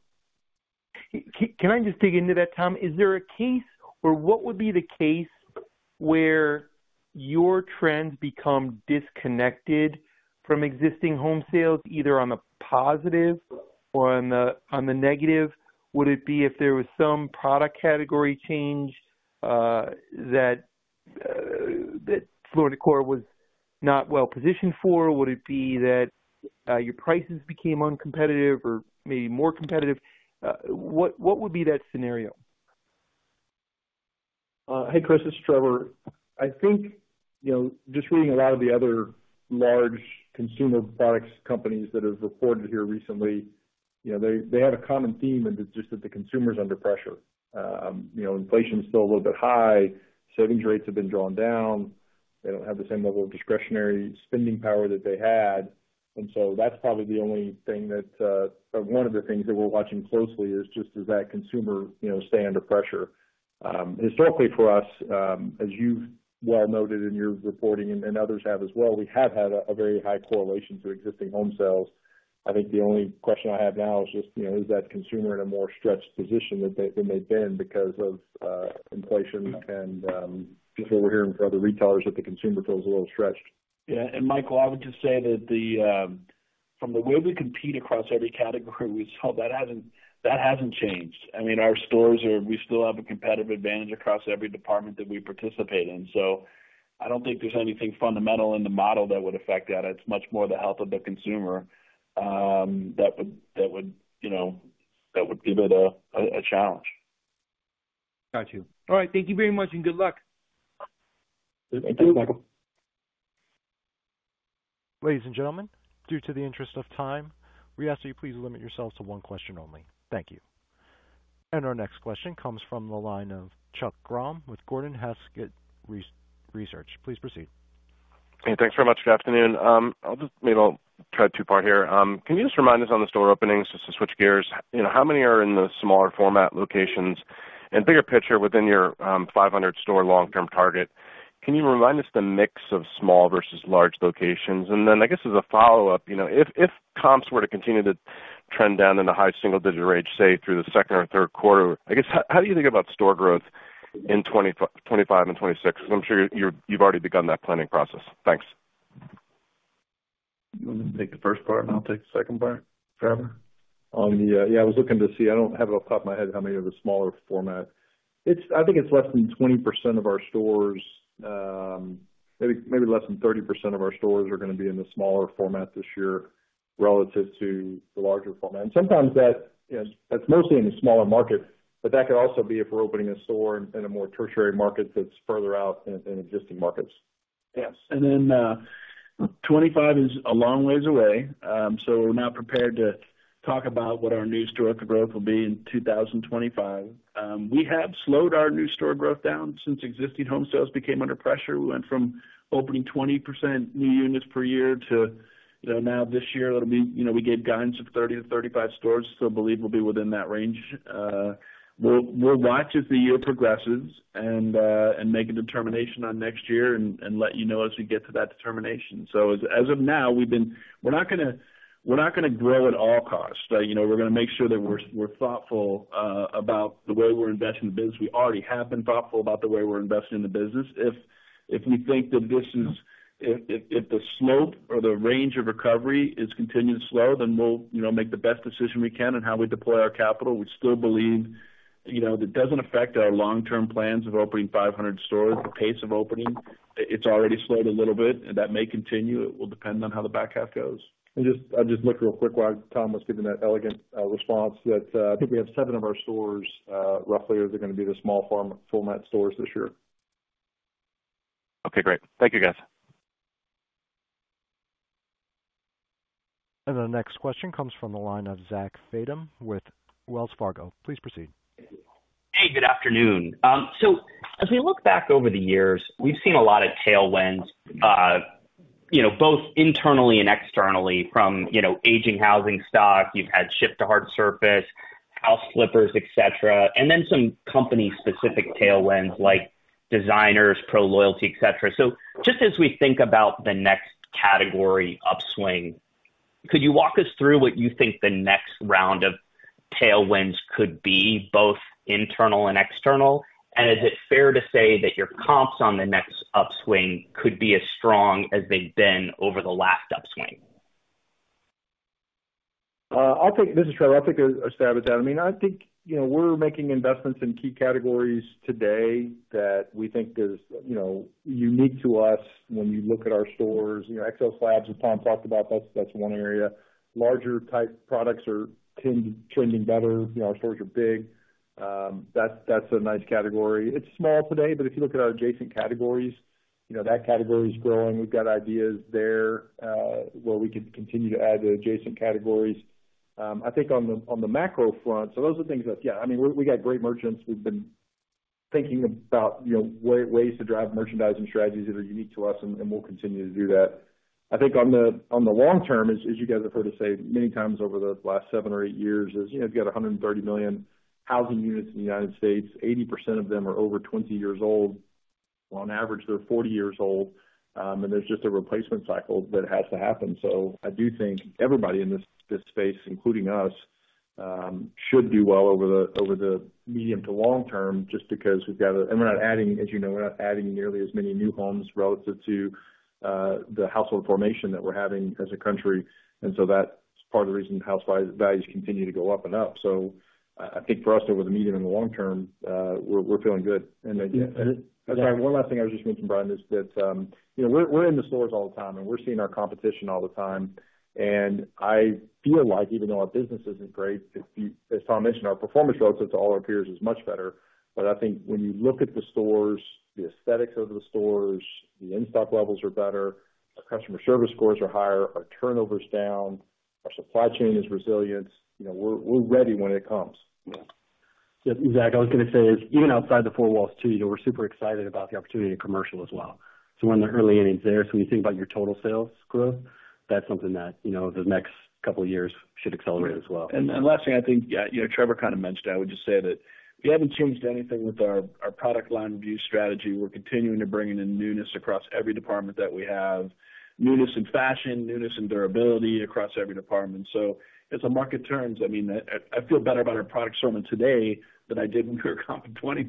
Can I just dig into that, Tom? Is there a case or what would be the case where your trends become disconnected from existing home sales, either on the positive or on the negative? Would it be if there was some product category change that Floor & Decor was not well positioned for? Would it be that your prices became uncompetitive or maybe more competitive? What would be that scenario? Hey, Chris. This is Trevor. I think just reading a lot of the other large consumer products companies that have reported here recently, they have a common theme and it's just that the consumer's under pressure. Inflation's still a little bit high. Savings rates have been drawn down. They don't have the same level of discretionary spending power that they had. And so that's probably the only thing that or one of the things that we're watching closely is just does that consumer stay under pressure? Historically, for us, as you've well noted in your reporting and others have as well, we have had a very high correlation to existing home sales. I think the only question I have now is just, is that consumer in a more stretched position than they've been because of inflation and just what we're hearing from other retailers that the consumer feels a little stretched. Yeah. Michael, I would just say that from the way we compete across every category, so that hasn't changed. I mean, our stores are we still have a competitive advantage across every department that we participate in. So I don't think there's anything fundamental in the model that would affect that. It's much more the health of the consumer that would give it a challenge. Got you. All right. Thank you very much and good luck. Thank you. Thanks, Michael. Ladies and gentlemen, due to the interest of time, we ask that you please limit yourselves to one question only. Thank you. Our next question comes from the line of Chuck Grom with Gordon Haskett Research. Please proceed. Hey, thanks very much. Good afternoon. I'll just maybe I'll try two-part here. Can you just remind us on the store openings, just to switch gears, how many are in the smaller format locations? And bigger picture, within your 500-store long-term target, can you remind us the mix of small versus large locations? And then I guess as a follow-up, if comps were to continue to trend down in the high single-digit range, say, through the second or third quarter, I guess how do you think about store growth in 2025 and 2026? Because I'm sure you've already begun that planning process. Thanks. You want me to take the first part, and I'll take the second part, Trevor? Yeah, I was looking to see. I don't have it off the top of my head how many of the smaller format. I think it's less than 20% of our stores, maybe less than 30% of our stores are going to be in the smaller format this year relative to the larger format. And sometimes that's mostly in the smaller market, but that could also be if we're opening a store in a more tertiary market that's further out in existing markets. Yes. And then 2025 is a long ways away, so we're now prepared to talk about what our new store growth will be in 2025. We have slowed our new store growth down since existing home sales became under pressure. We went from opening 20% new units per year to now, this year, it'll be we gave guidance of 30-35 stores, so I believe we'll be within that range. We'll watch as the year progresses and make a determination on next year and let you know as we get to that determination. So as of now, we're not going to grow at all costs. We're going to make sure that we're thoughtful about the way we're investing the business. We already have been thoughtful about the way we're investing in the business. If we think that this is if the slope or the range of recovery is continuing to slow, then we'll make the best decision we can in how we deploy our capital. We still believe it doesn't affect our long-term plans of opening 500 stores. The pace of opening, it's already slowed a little bit, and that may continue. It will depend on how the back half goes. I'll just look real quick while Tom was giving that elegant response that I think we have seven of our stores roughly that are going to be the small format stores this year. Okay. Great. Thank you, guys. The next question comes from the line of Zach Fadem with Wells Fargo. Please proceed. Hey, good afternoon. So as we look back over the years, we've seen a lot of tailwinds both internally and externally from aging housing stock. You've had shift to hard surface, house flipping, etc., and then some company-specific tailwinds like designers, pro-loyalty, etc. So just as we think about the next category upswing, could you walk us through what you think the next round of tailwinds could be, both internal and external? And is it fair to say that your comps on the next upswing could be as strong as they've been over the last upswing? This is Trevor. I think there's a stab at that. I mean, I think we're making investments in key categories today that we think are unique to us when you look at our stores. XL slabs, as Tom talked about, that's one area. Larger-type products are trending better. Our stores are big. That's a nice category. It's small today, but if you look at our adjacent categories, that category's growing. We've got ideas there where we could continue to add to adjacent categories. I think on the macro front, so those are things that, yeah, I mean, we got great merchants. We've been thinking about ways to drive merchandising strategies that are unique to us, and we'll continue to do that. I think on the long term, as you guys have heard us say many times over the last seven or eight years, is we've got 130 million housing units in the United States. 80% of them are over 20 years old. Well, on average, they're 40 years old, and there's just a replacement cycle that has to happen. So I do think everybody in this space, including us, should do well over the medium to long term just because we've got to and we're not adding as you know, we're not adding nearly as many new homes relative to the household formation that we're having as a country. And so that's part of the reason house values continue to go up and up. So I think for us, over the medium and the long term, we're feeling good. Sorry, one last thing I was just mentioning, Bryan, is that we're in the stores all the time, and we're seeing our competition all the time. I feel like, even though our business isn't great, as Tom mentioned, our performance relative to all our peers is much better. I think when you look at the stores, the aesthetics of the stores, the in-stock levels are better. Our customer service scores are higher. Our turnover's down. Our supply chain is resilient. We're ready when it comes. Yeah. Zach, I was going to say is even outside the four walls too, we're super excited about the opportunity in commercial as well. So we're in the early innings there. So when you think about your total sales growth, that's something that the next couple of years should accelerate as well. And last thing, I think Trevor kind of mentioned. I would just say that we haven't changed anything with our product line review strategy. We're continuing to bring in newness across every department that we have, newness in fashion, newness in durability across every department. So as the market turns, I mean, I feel better about our product assortment today than I did when we were comping 20%.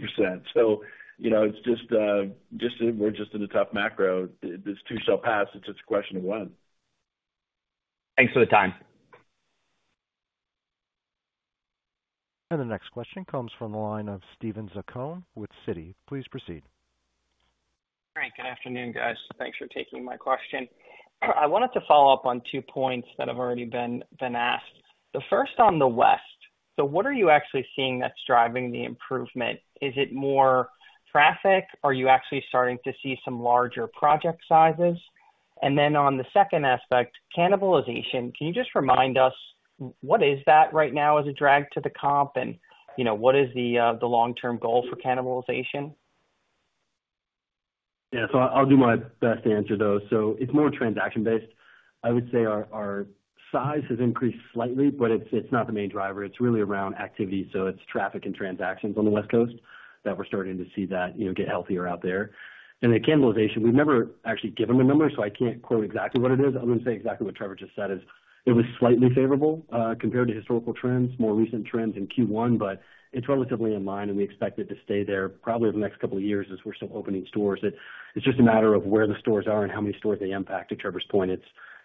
So it's just we're just in the tough macro. This too shall pass. It's just a question of when. Thanks for the time. The next question comes from the line of Steven Zaccone with Citi. Please proceed. All right. Good afternoon, guys. So thanks for taking my question. I wanted to follow up on two points that have already been asked. The first, on the West, so what are you actually seeing that's driving the improvement? Is it more traffic? Are you actually starting to see some larger project sizes? And then on the second aspect, cannibalization, can you just remind us what is that right now as a drag to the comp, and what is the long-term goal for cannibalization? Yeah. So I'll do my best to answer those. So it's more transaction-based. I would say our size has increased slightly, but it's not the main driver. It's really around activity. So it's traffic and transactions on the West Coast that we're starting to see that get healthier out there. And the cannibalization, we've never actually given a number, so I can't quote exactly what it is other than say exactly what Trevor just said is it was slightly favorable compared to historical trends, more recent trends in Q1, but it's relatively in line, and we expect it to stay there probably over the next couple of years as we're still opening stores. It's just a matter of where the stores are and how many stores they impact. To Trevor's point,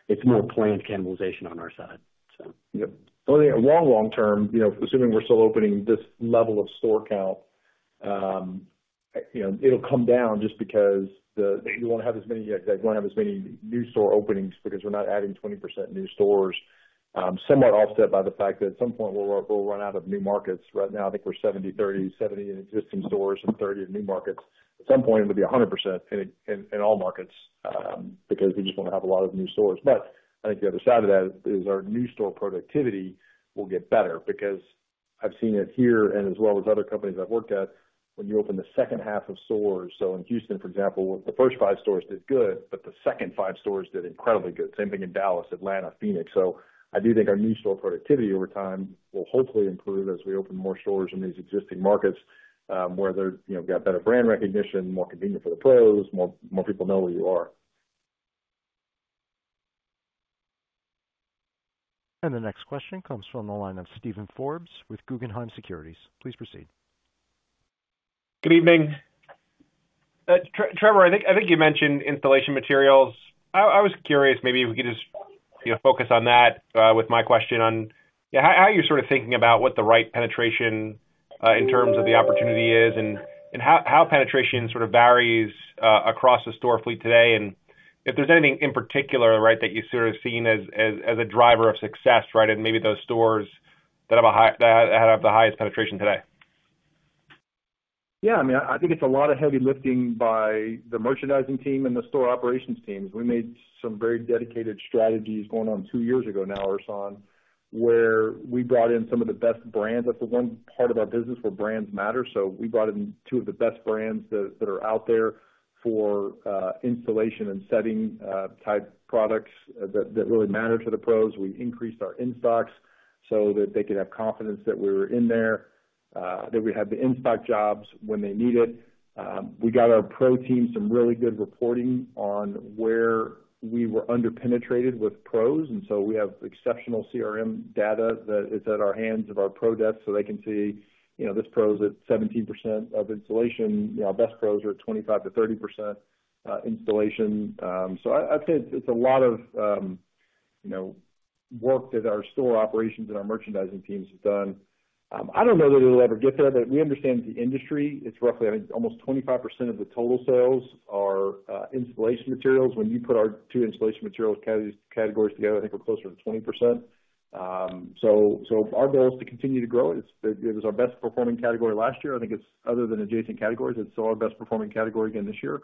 it's more planned cannibalization on our side, so. Yep. Well, long term, assuming we're still opening this level of store count, it'll come down just because they don't want to have as many they don't want to have as many new store openings because we're not adding 20% new stores, somewhat offset by the fact that at some point, we'll run out of new markets. Right now, I think we're 70/30, 70 in existing stores and 30 in new markets. At some point, it'll be 100% in all markets because we just want to have a lot of new stores. But I think the other side of that is our new store productivity will get better because I've seen it here and as well as other companies I've worked at, when you open the second half of stores so in Houston, for example, the first 5 stores did good, but the second 5 stores did incredibly good. Same thing in Dallas, Atlanta, Phoenix. So I do think our new store productivity over time will hopefully improve as we open more stores in these existing markets where they've got better brand recognition, more convenient for the pros, more people know where you are. The next question comes from the line of Steven Forbes with Guggenheim Securities. Please proceed. Good evening. Trevor, I think you mentioned installation materials. I was curious maybe if we could just focus on that with my question on how you're sort of thinking about what the right penetration in terms of the opportunity is and how penetration sort of varies across the store fleet today and if there's anything in particular that you've sort of seen as a driver of success in maybe those stores that have the highest penetration today? Yeah. I mean, I think it's a lot of heavy lifting by the merchandising team and the store operations teams. We made some very dedicated strategies going on two years ago now or so where we brought in some of the best brands. That's the one part of our business where brands matter. So we brought in two of the best brands that are out there for installation and setting-type products that really matter to the pros. We increased our in-stocks so that they could have confidence that we were in there, that we had the in-stock jobs when they need it. We got our pro team some really good reporting on where we were underpenetrated with pros. And so we have exceptional CRM data that is at our hands of our pro desk so they can see, "This pro is at 17% of installation. Our best pros are at 25%-30% installation." So I'd say it's a lot of work that our store operations and our merchandising teams have done. I don't know that it'll ever get there, but we understand the industry. I mean, almost 25% of the total sales are installation materials. When you put our two installation materials categories together, I think we're closer to 20%. So our goal is to continue to grow it. It was our best-performing category last year. I think it's other than adjacent categories, it's still our best-performing category again this year.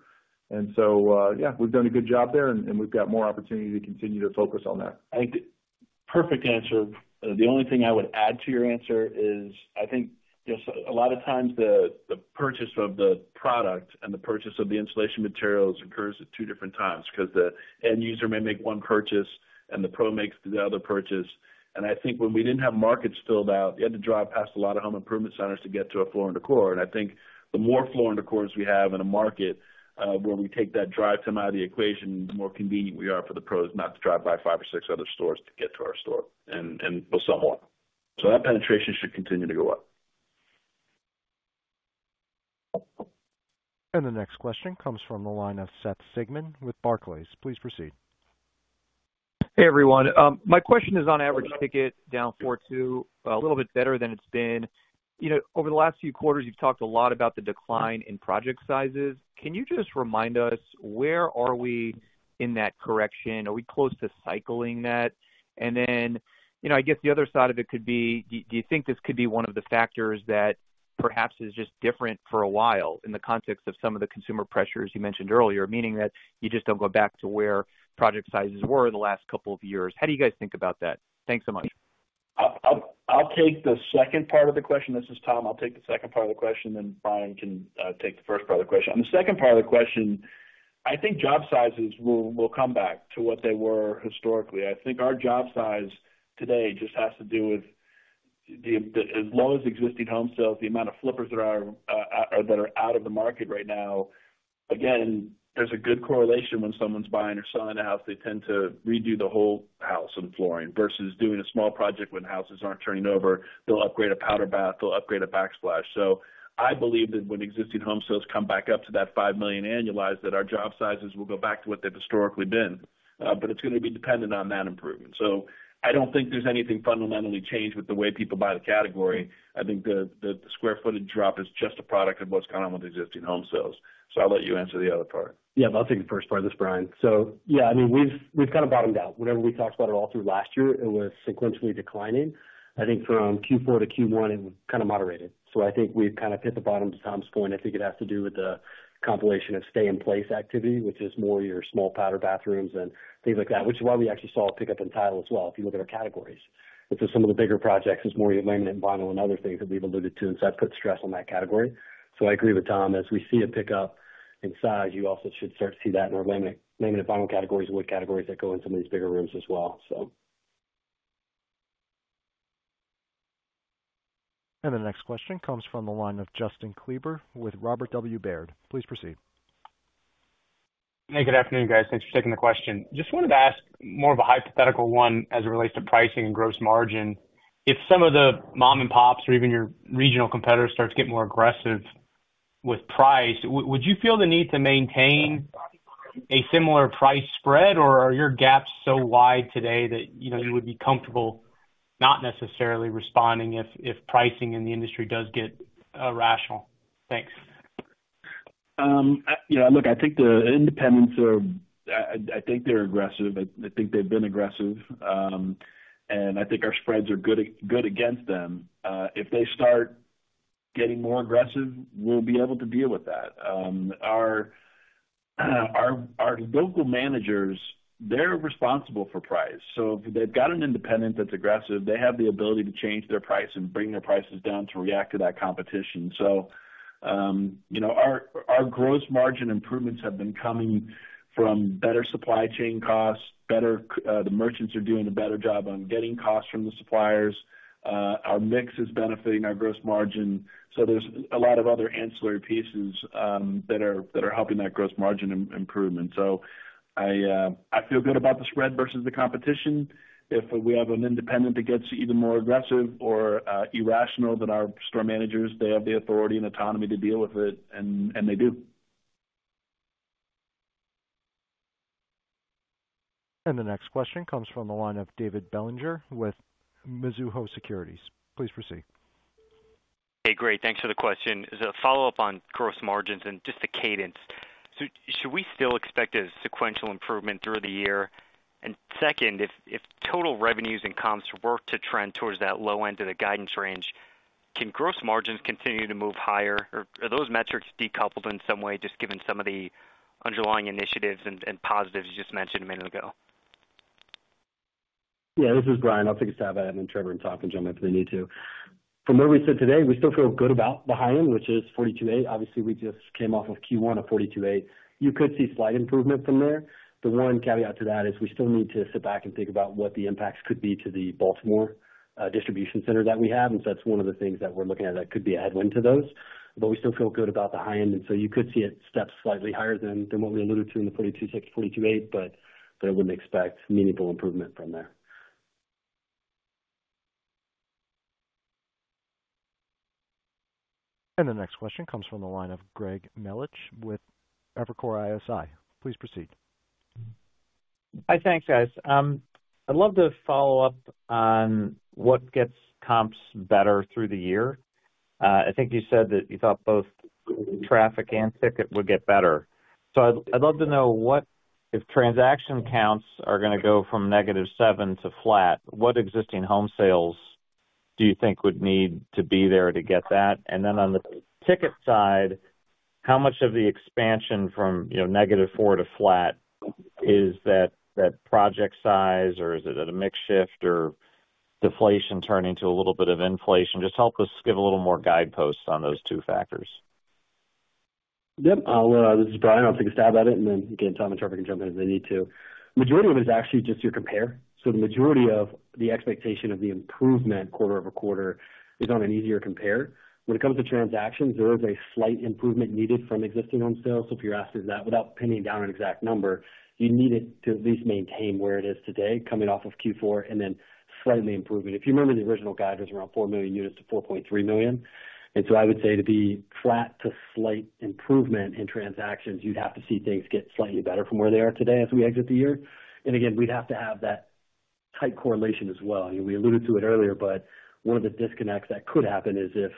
And so yeah, we've done a good job there, and we've got more opportunity to continue to focus on that. I think perfect answer. The only thing I would add to your answer is I think a lot of times, the purchase of the product and the purchase of the installation materials occurs at two different times because the end user may make one purchase, and the pro makes the other purchase. And I think when we didn't have markets filled out, you had to drive past a lot of home improvement centers to get to a Floor & Decor. And I think the more Floor & Decors we have in a market where we take that drive time out of the equation, the more convenient we are for the pros not to drive by five or six other stores to get to our store or somewhere. So that penetration should continue to go up. The next question comes from the line of Seth Sigman with Barclays. Please proceed. Hey, everyone. My question is on average ticket down 4.2%, a little bit better than it's been. Over the last few quarters, you've talked a lot about the decline in project sizes. Can you just remind us where are we in that correction? Are we close to cycling that? And then I guess the other side of it could be, do you think this could be one of the factors that perhaps is just different for a while in the context of some of the consumer pressures you mentioned earlier, meaning that you just don't go back to where project sizes were in the last couple of years? How do you guys think about that? Thanks so much. I'll take the second part of the question. This is Tom. I'll take the second part of the question, then Bryan can take the first part of the question. On the second part of the question, I think job sizes will come back to what they were historically. I think our job size today just has to do with as low as existing home sales, the amount of flippers that are out of the market right now. Again, there's a good correlation. When someone's buying or selling a house, they tend to redo the whole house and flooring versus doing a small project. When houses aren't turning over, they'll upgrade a powder bath. They'll upgrade a backsplash. So I believe that when existing home sales come back up to that 5 million annualized, that our job sizes will go back to what they've historically been. But it's going to be dependent on that improvement. So I don't think there's anything fundamentally changed with the way people buy the category. I think the square footage drop is just a product of what's gone on with existing home sales. So I'll let you answer the other part. Yeah. I'll take the first part of this, Bryan. So yeah, I mean, we've kind of bottomed out. Whenever we talked about it all through last year, it was sequentially declining. I think from Q4 to Q1, it was kind of moderated. So I think we've kind of hit the bottom, to Tom's point. I think it has to do with the combination of stay-in-place activity, which is more your small powder bathrooms and things like that, which is why we actually saw a pickup in tile as well if you look at our categories. And so some of the bigger projects is more your laminate and vinyl and other things that we've alluded to, and so it puts stress on that category. So I agree with Tom. As we see a pickup in size, you also should start to see that in our laminate vinyl categories and wood categories that go in some of these bigger rooms as well, so. The next question comes from the line of Justin Kleber with Robert W. Baird. Please proceed. Hey, good afternoon, guys. Thanks for taking the question. Just wanted to ask more of a hypothetical one as it relates to pricing and gross margin. If some of the mom-and-pops or even your regional competitors start to get more aggressive with price, would you feel the need to maintain a similar price spread, or are your gaps so wide today that you would be comfortable not necessarily responding if pricing in the industry does get irrational? Thanks. Look, I think the independents are. I think they're aggressive. I think they've been aggressive, and I think our spreads are good against them. If they start getting more aggressive, we'll be able to deal with that. Our local managers, they're responsible for price. So if they've got an independent that's aggressive, they have the ability to change their price and bring their prices down to react to that competition. So our gross margin improvements have been coming from better supply chain costs; the merchants are doing a better job on getting costs from the suppliers. Our mix is benefiting our gross margin. So there's a lot of other ancillary pieces that are helping that gross margin improvement. So I feel good about the spread versus the competition. If we have an independent that gets even more aggressive or irrational than our store managers, they have the authority and autonomy to deal with it, and they do. The next question comes from the line of David Bellinger with Mizuho Securities. Please proceed. Hey, great. Thanks for the question. As a follow-up on gross margins and just the cadence, should we still expect a sequential improvement through the year? And second, if total revenues and comps were to trend towards that low end of the guidance range, can gross margins continue to move higher, or are those metrics decoupled in some way just given some of the underlying initiatives and positives you just mentioned a minute ago? Yeah. This is Bryan. I'll take a stab at it and Trevor and Tom can jump in if they need to. From what we said today, we still feel good about the high end, which is 42.8. Obviously, we just came off of Q1 of 42.8. You could see slight improvement from there. The one caveat to that is we still need to sit back and think about what the impacts could be to the Baltimore distribution center that we have. And so that's one of the things that we're looking at that could be a headwind to those. But we still feel good about the high end. And so you could see it step slightly higher than what we alluded to in the 42.6-42.8, but I wouldn't expect meaningful improvement from there. The next question comes from the line of Greg Melich with Evercore ISI. Please proceed. Hi. Thanks, guys. I'd love to follow up on what gets comps better through the year. I think you said that you thought both traffic and ticket would get better. So I'd love to know if transaction counts are going to go from -7 to flat, what existing home sales do you think would need to be there to get that? And then on the ticket side, how much of the expansion from -4 to flat is that project size, or is it at a mix shift or deflation turning to a little bit of inflation? Just help us give a little more guideposts on those two factors. Yep. This is Bryan. I'll take a stab at it. And then again, Tom and Trevor can jump in if they need to. The majority of it is actually just your compare. So the majority of the expectation of the improvement quarter-over-quarter is on an easier compare. When it comes to transactions, there is a slight improvement needed from existing home sales. So if you're asking that without pinning down an exact number, you need it to at least maintain where it is today, coming off of Q4 and then slightly improving. If you remember, the original guide was around 4 million-4.3 million units. And so I would say to be flat to slight improvement in transactions, you'd have to see things get slightly better from where they are today as we exit the year. And again, we'd have to have that tight correlation as well. We alluded to it earlier, but one of the disconnects that could happen is if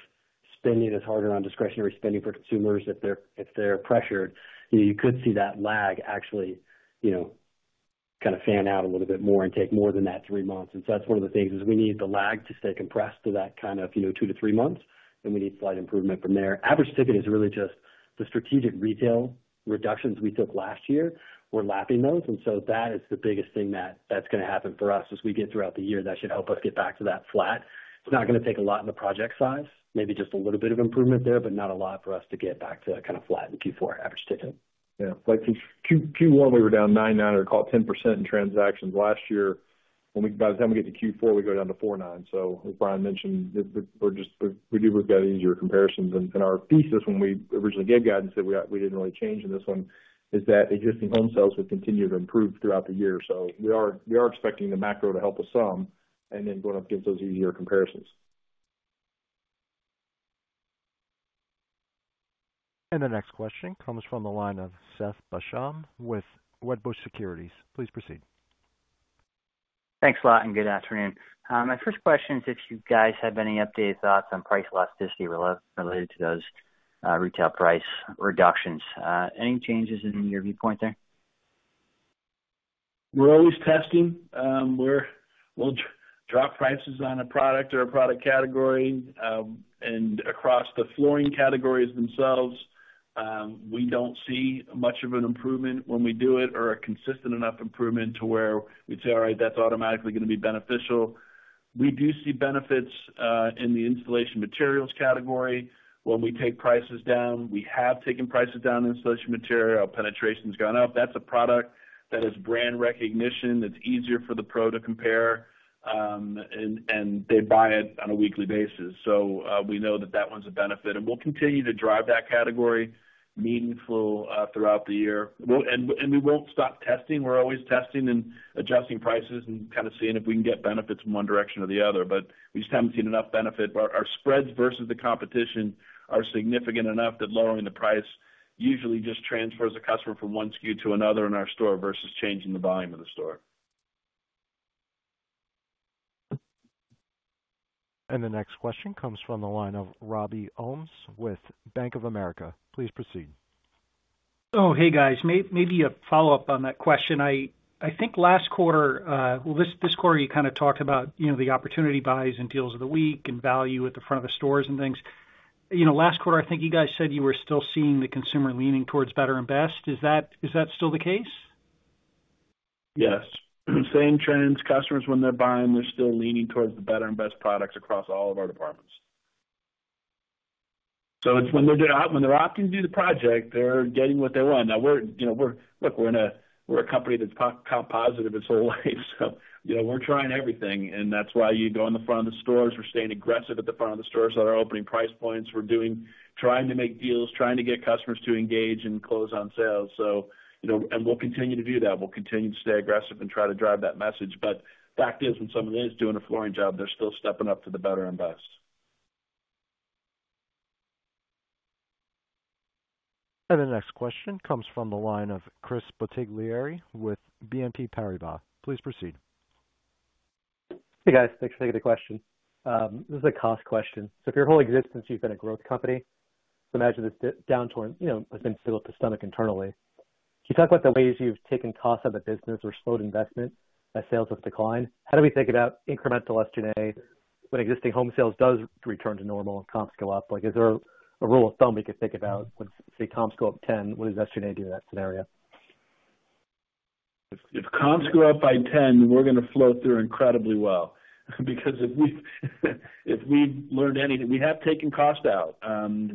spending is harder on discretionary spending for consumers, if they're pressured, you could see that lag actually kind of fan out a little bit more and take more than that 3 months. So that's one of the things is we need the lag to stay compressed to that kind of 2-3 months, and we need slight improvement from there. Average ticket is really just the strategic retail reductions we took last year. We're lapping those. So that is the biggest thing that's going to happen for us as we get throughout the year. That should help us get back to that flat. It's not going to take a lot in the project size, maybe just a little bit of improvement there, but not a lot for us to get back to kind of flat in Q4 average ticket. Yeah. Like Q1, we were down 9.9% or call it 10% in transactions last year. By the time we get to Q4, we go down to 4.9%. So as Bryan mentioned, we do have got easier comparisons. And our thesis when we originally gave guidance that we didn't really change in this one is that existing home sales would continue to improve throughout the year. So we are expecting the macro to help us some and then going up against those easier comparisons. The next question comes from the line of Seth Basham with Wedbush Securities. Please proceed. Thanks a lot and good afternoon. My first question is if you guys have any updated thoughts on price elasticity related to those retail price reductions? Any changes in your viewpoint there? We're always testing. We'll drop prices on a product or a product category. And across the flooring categories themselves, we don't see much of an improvement when we do it or a consistent enough improvement to where we'd say, "All right, that's automatically going to be beneficial." We do see benefits in the installation materials category. When we take prices down, we have taken prices down in installation material. Penetration's gone up. That's a product that has brand recognition. It's easier for the pro to compare, and they buy it on a weekly basis. So we know that that one's a benefit. And we'll continue to drive that category meaningful throughout the year. And we won't stop testing. We're always testing and adjusting prices and kind of seeing if we can get benefits in one direction or the other. But we just haven't seen enough benefit. Our spreads versus the competition are significant enough that lowering the price usually just transfers a customer from one SKU to another in our store versus changing the volume of the store. The next question comes from the line of Robert Ohmes with Bank of America. Please proceed. Oh, hey, guys. Maybe a follow-up on that question. I think last quarter, well, this quarter, you kind of talked about the opportunity buys and deals of the week and value at the front of the stores and things. Last quarter, I think you guys said you were still seeing the consumer leaning towards Better & Best. Is that still the case? Yes. Same trends. Customers, when they're buying, they're still leaning towards the Better & Best products across all of our departments. So when they're opting to do the project, they're getting what they want. Now, look, we're a company that's comp-positive its whole life. So we're trying everything. And that's why you go in the front of the stores. We're staying aggressive at the front of the stores at our opening price points. We're trying to make deals, trying to get customers to engage and close on sales. And we'll continue to do that. We'll continue to stay aggressive and try to drive that message. But fact is, when someone is doing a flooring job, they're still stepping up to the Better & Best. The next question comes from the line of Chris Bottiglieri with BNP Paribas. Please proceed. Hey, guys. Thanks for taking the question. This is a cost question. So if your whole existence, you've been a growth company, so imagine this downturn has been filled up the stomach internally. Can you talk about the ways you've taken costs out of the business or slowed investment as sales have declined? How do we think about incremental SG&A when existing home sales does return to normal and comps go up? Is there a rule of thumb we could think about when say, comps go up 10, what does SG&A do in that scenario? If comps go up by 10, we're going to float through incredibly well because if we've learned anything, we have taken cost out.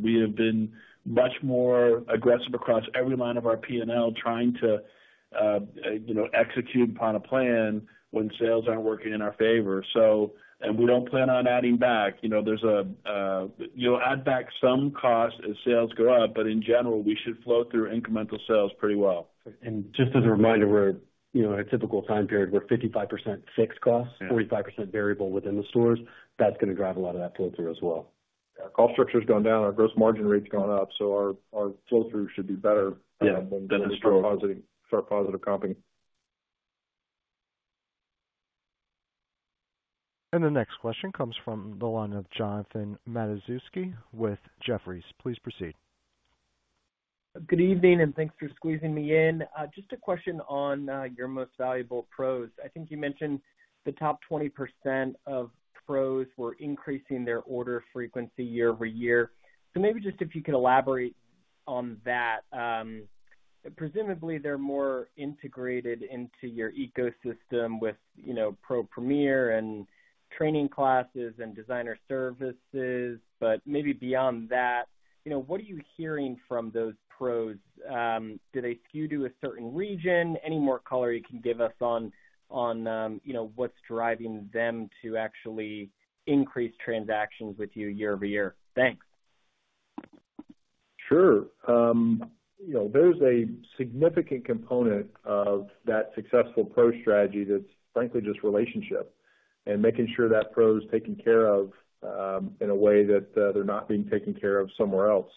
We have been much more aggressive across every line of our P&L trying to execute upon a plan when sales aren't working in our favor. And we don't plan on adding back. There's an add back some cost as sales go up, but in general, we should float through incremental sales pretty well. Just as a reminder, in a typical time period, we're 55% fixed costs, 45% variable within the stores. That's going to drive a lot of that flow through as well. Our cost structure's gone down. Our gross margin rate's gone up. So our flow through should be better than start positive comping. The next question comes from the line of Jonathan Matuszewski with Jefferies. Please proceed. Good evening, and thanks for squeezing me in. Just a question on your most valuable pros. I think you mentioned the top 20% of pros were increasing their order frequency year-over-year. So maybe just if you could elaborate on that. Presumably, they're more integrated into your ecosystem with Pro Premier and training classes and designer services. But maybe beyond that, what are you hearing from those pros? Do they skew to a certain region? Any more color you can give us on what's driving them to actually increase transactions with you year-over-year? Thanks. Sure. There's a significant component of that successful pro strategy that's, frankly, just relationship and making sure that pro is taken care of in a way that they're not being taken care of somewhere else.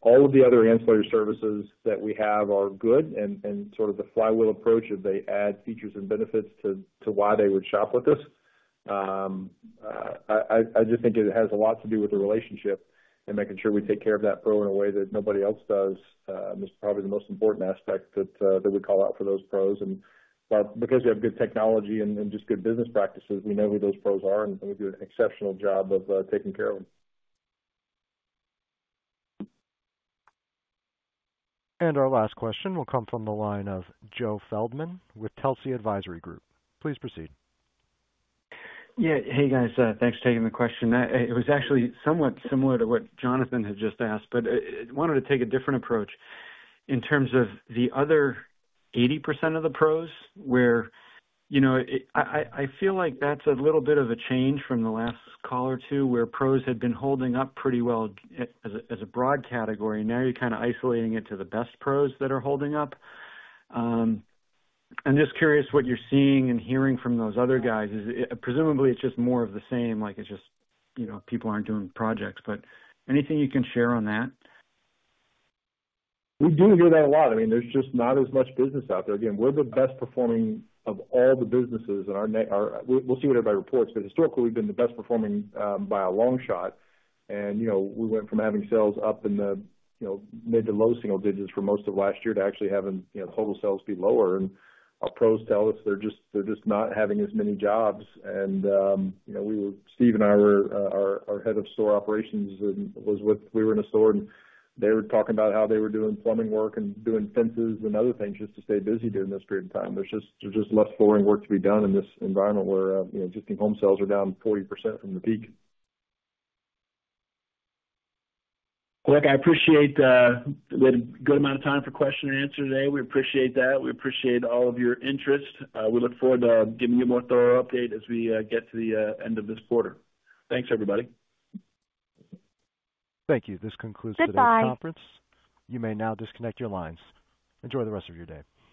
All of the other ancillary services that we have are good. And sort of the flywheel approach of they add features and benefits to why they would shop with us, I just think it has a lot to do with the relationship and making sure we take care of that pro in a way that nobody else does is probably the most important aspect that we call out for those pros. And because we have good technology and just good business practices, we know who those pros are, and we do an exceptional job of taking care of them. Our last question will come from the line of Joe Feldman with Telsey Advisory Group. Please proceed. Yeah. Hey, guys. Thanks for taking the question. It was actually somewhat similar to what Jonathan had just asked, but I wanted to take a different approach in terms of the other 80% of the pros where I feel like that's a little bit of a change from the last caller to where pros had been holding up pretty well as a broad category. Now you're kind of isolating it to the best pros that are holding up. I'm just curious what you're seeing and hearing from those other guys. Presumably, it's just more of the same. It's just people aren't doing projects. But anything you can share on that? We do hear that a lot. I mean, there's just not as much business out there. Again, we're the best performing of all the businesses. And we'll see what everybody reports, but historically, we've been the best performing by a long shot. And we went from having sales up in the mid- to low-single digits for most of last year to actually having total sales be lower. And our pros tell us they're just not having as many jobs. And Steve and I, our head of store operations, was with we were in a store, and they were talking about how they were doing plumbing work and doing fences and other things just to stay busy during this period of time. There's just less flooring work to be done in this environment where existing home sales are down 40% from the peak. Look, I appreciate a good amount of time for question and answer today. We appreciate that. We appreciate all of your interest. We look forward to giving you a more thorough update as we get to the end of this quarter. Thanks, everybody. Thank you. This concludes today's conference. Goodbye. You may now disconnect your lines. Enjoy the rest of your day.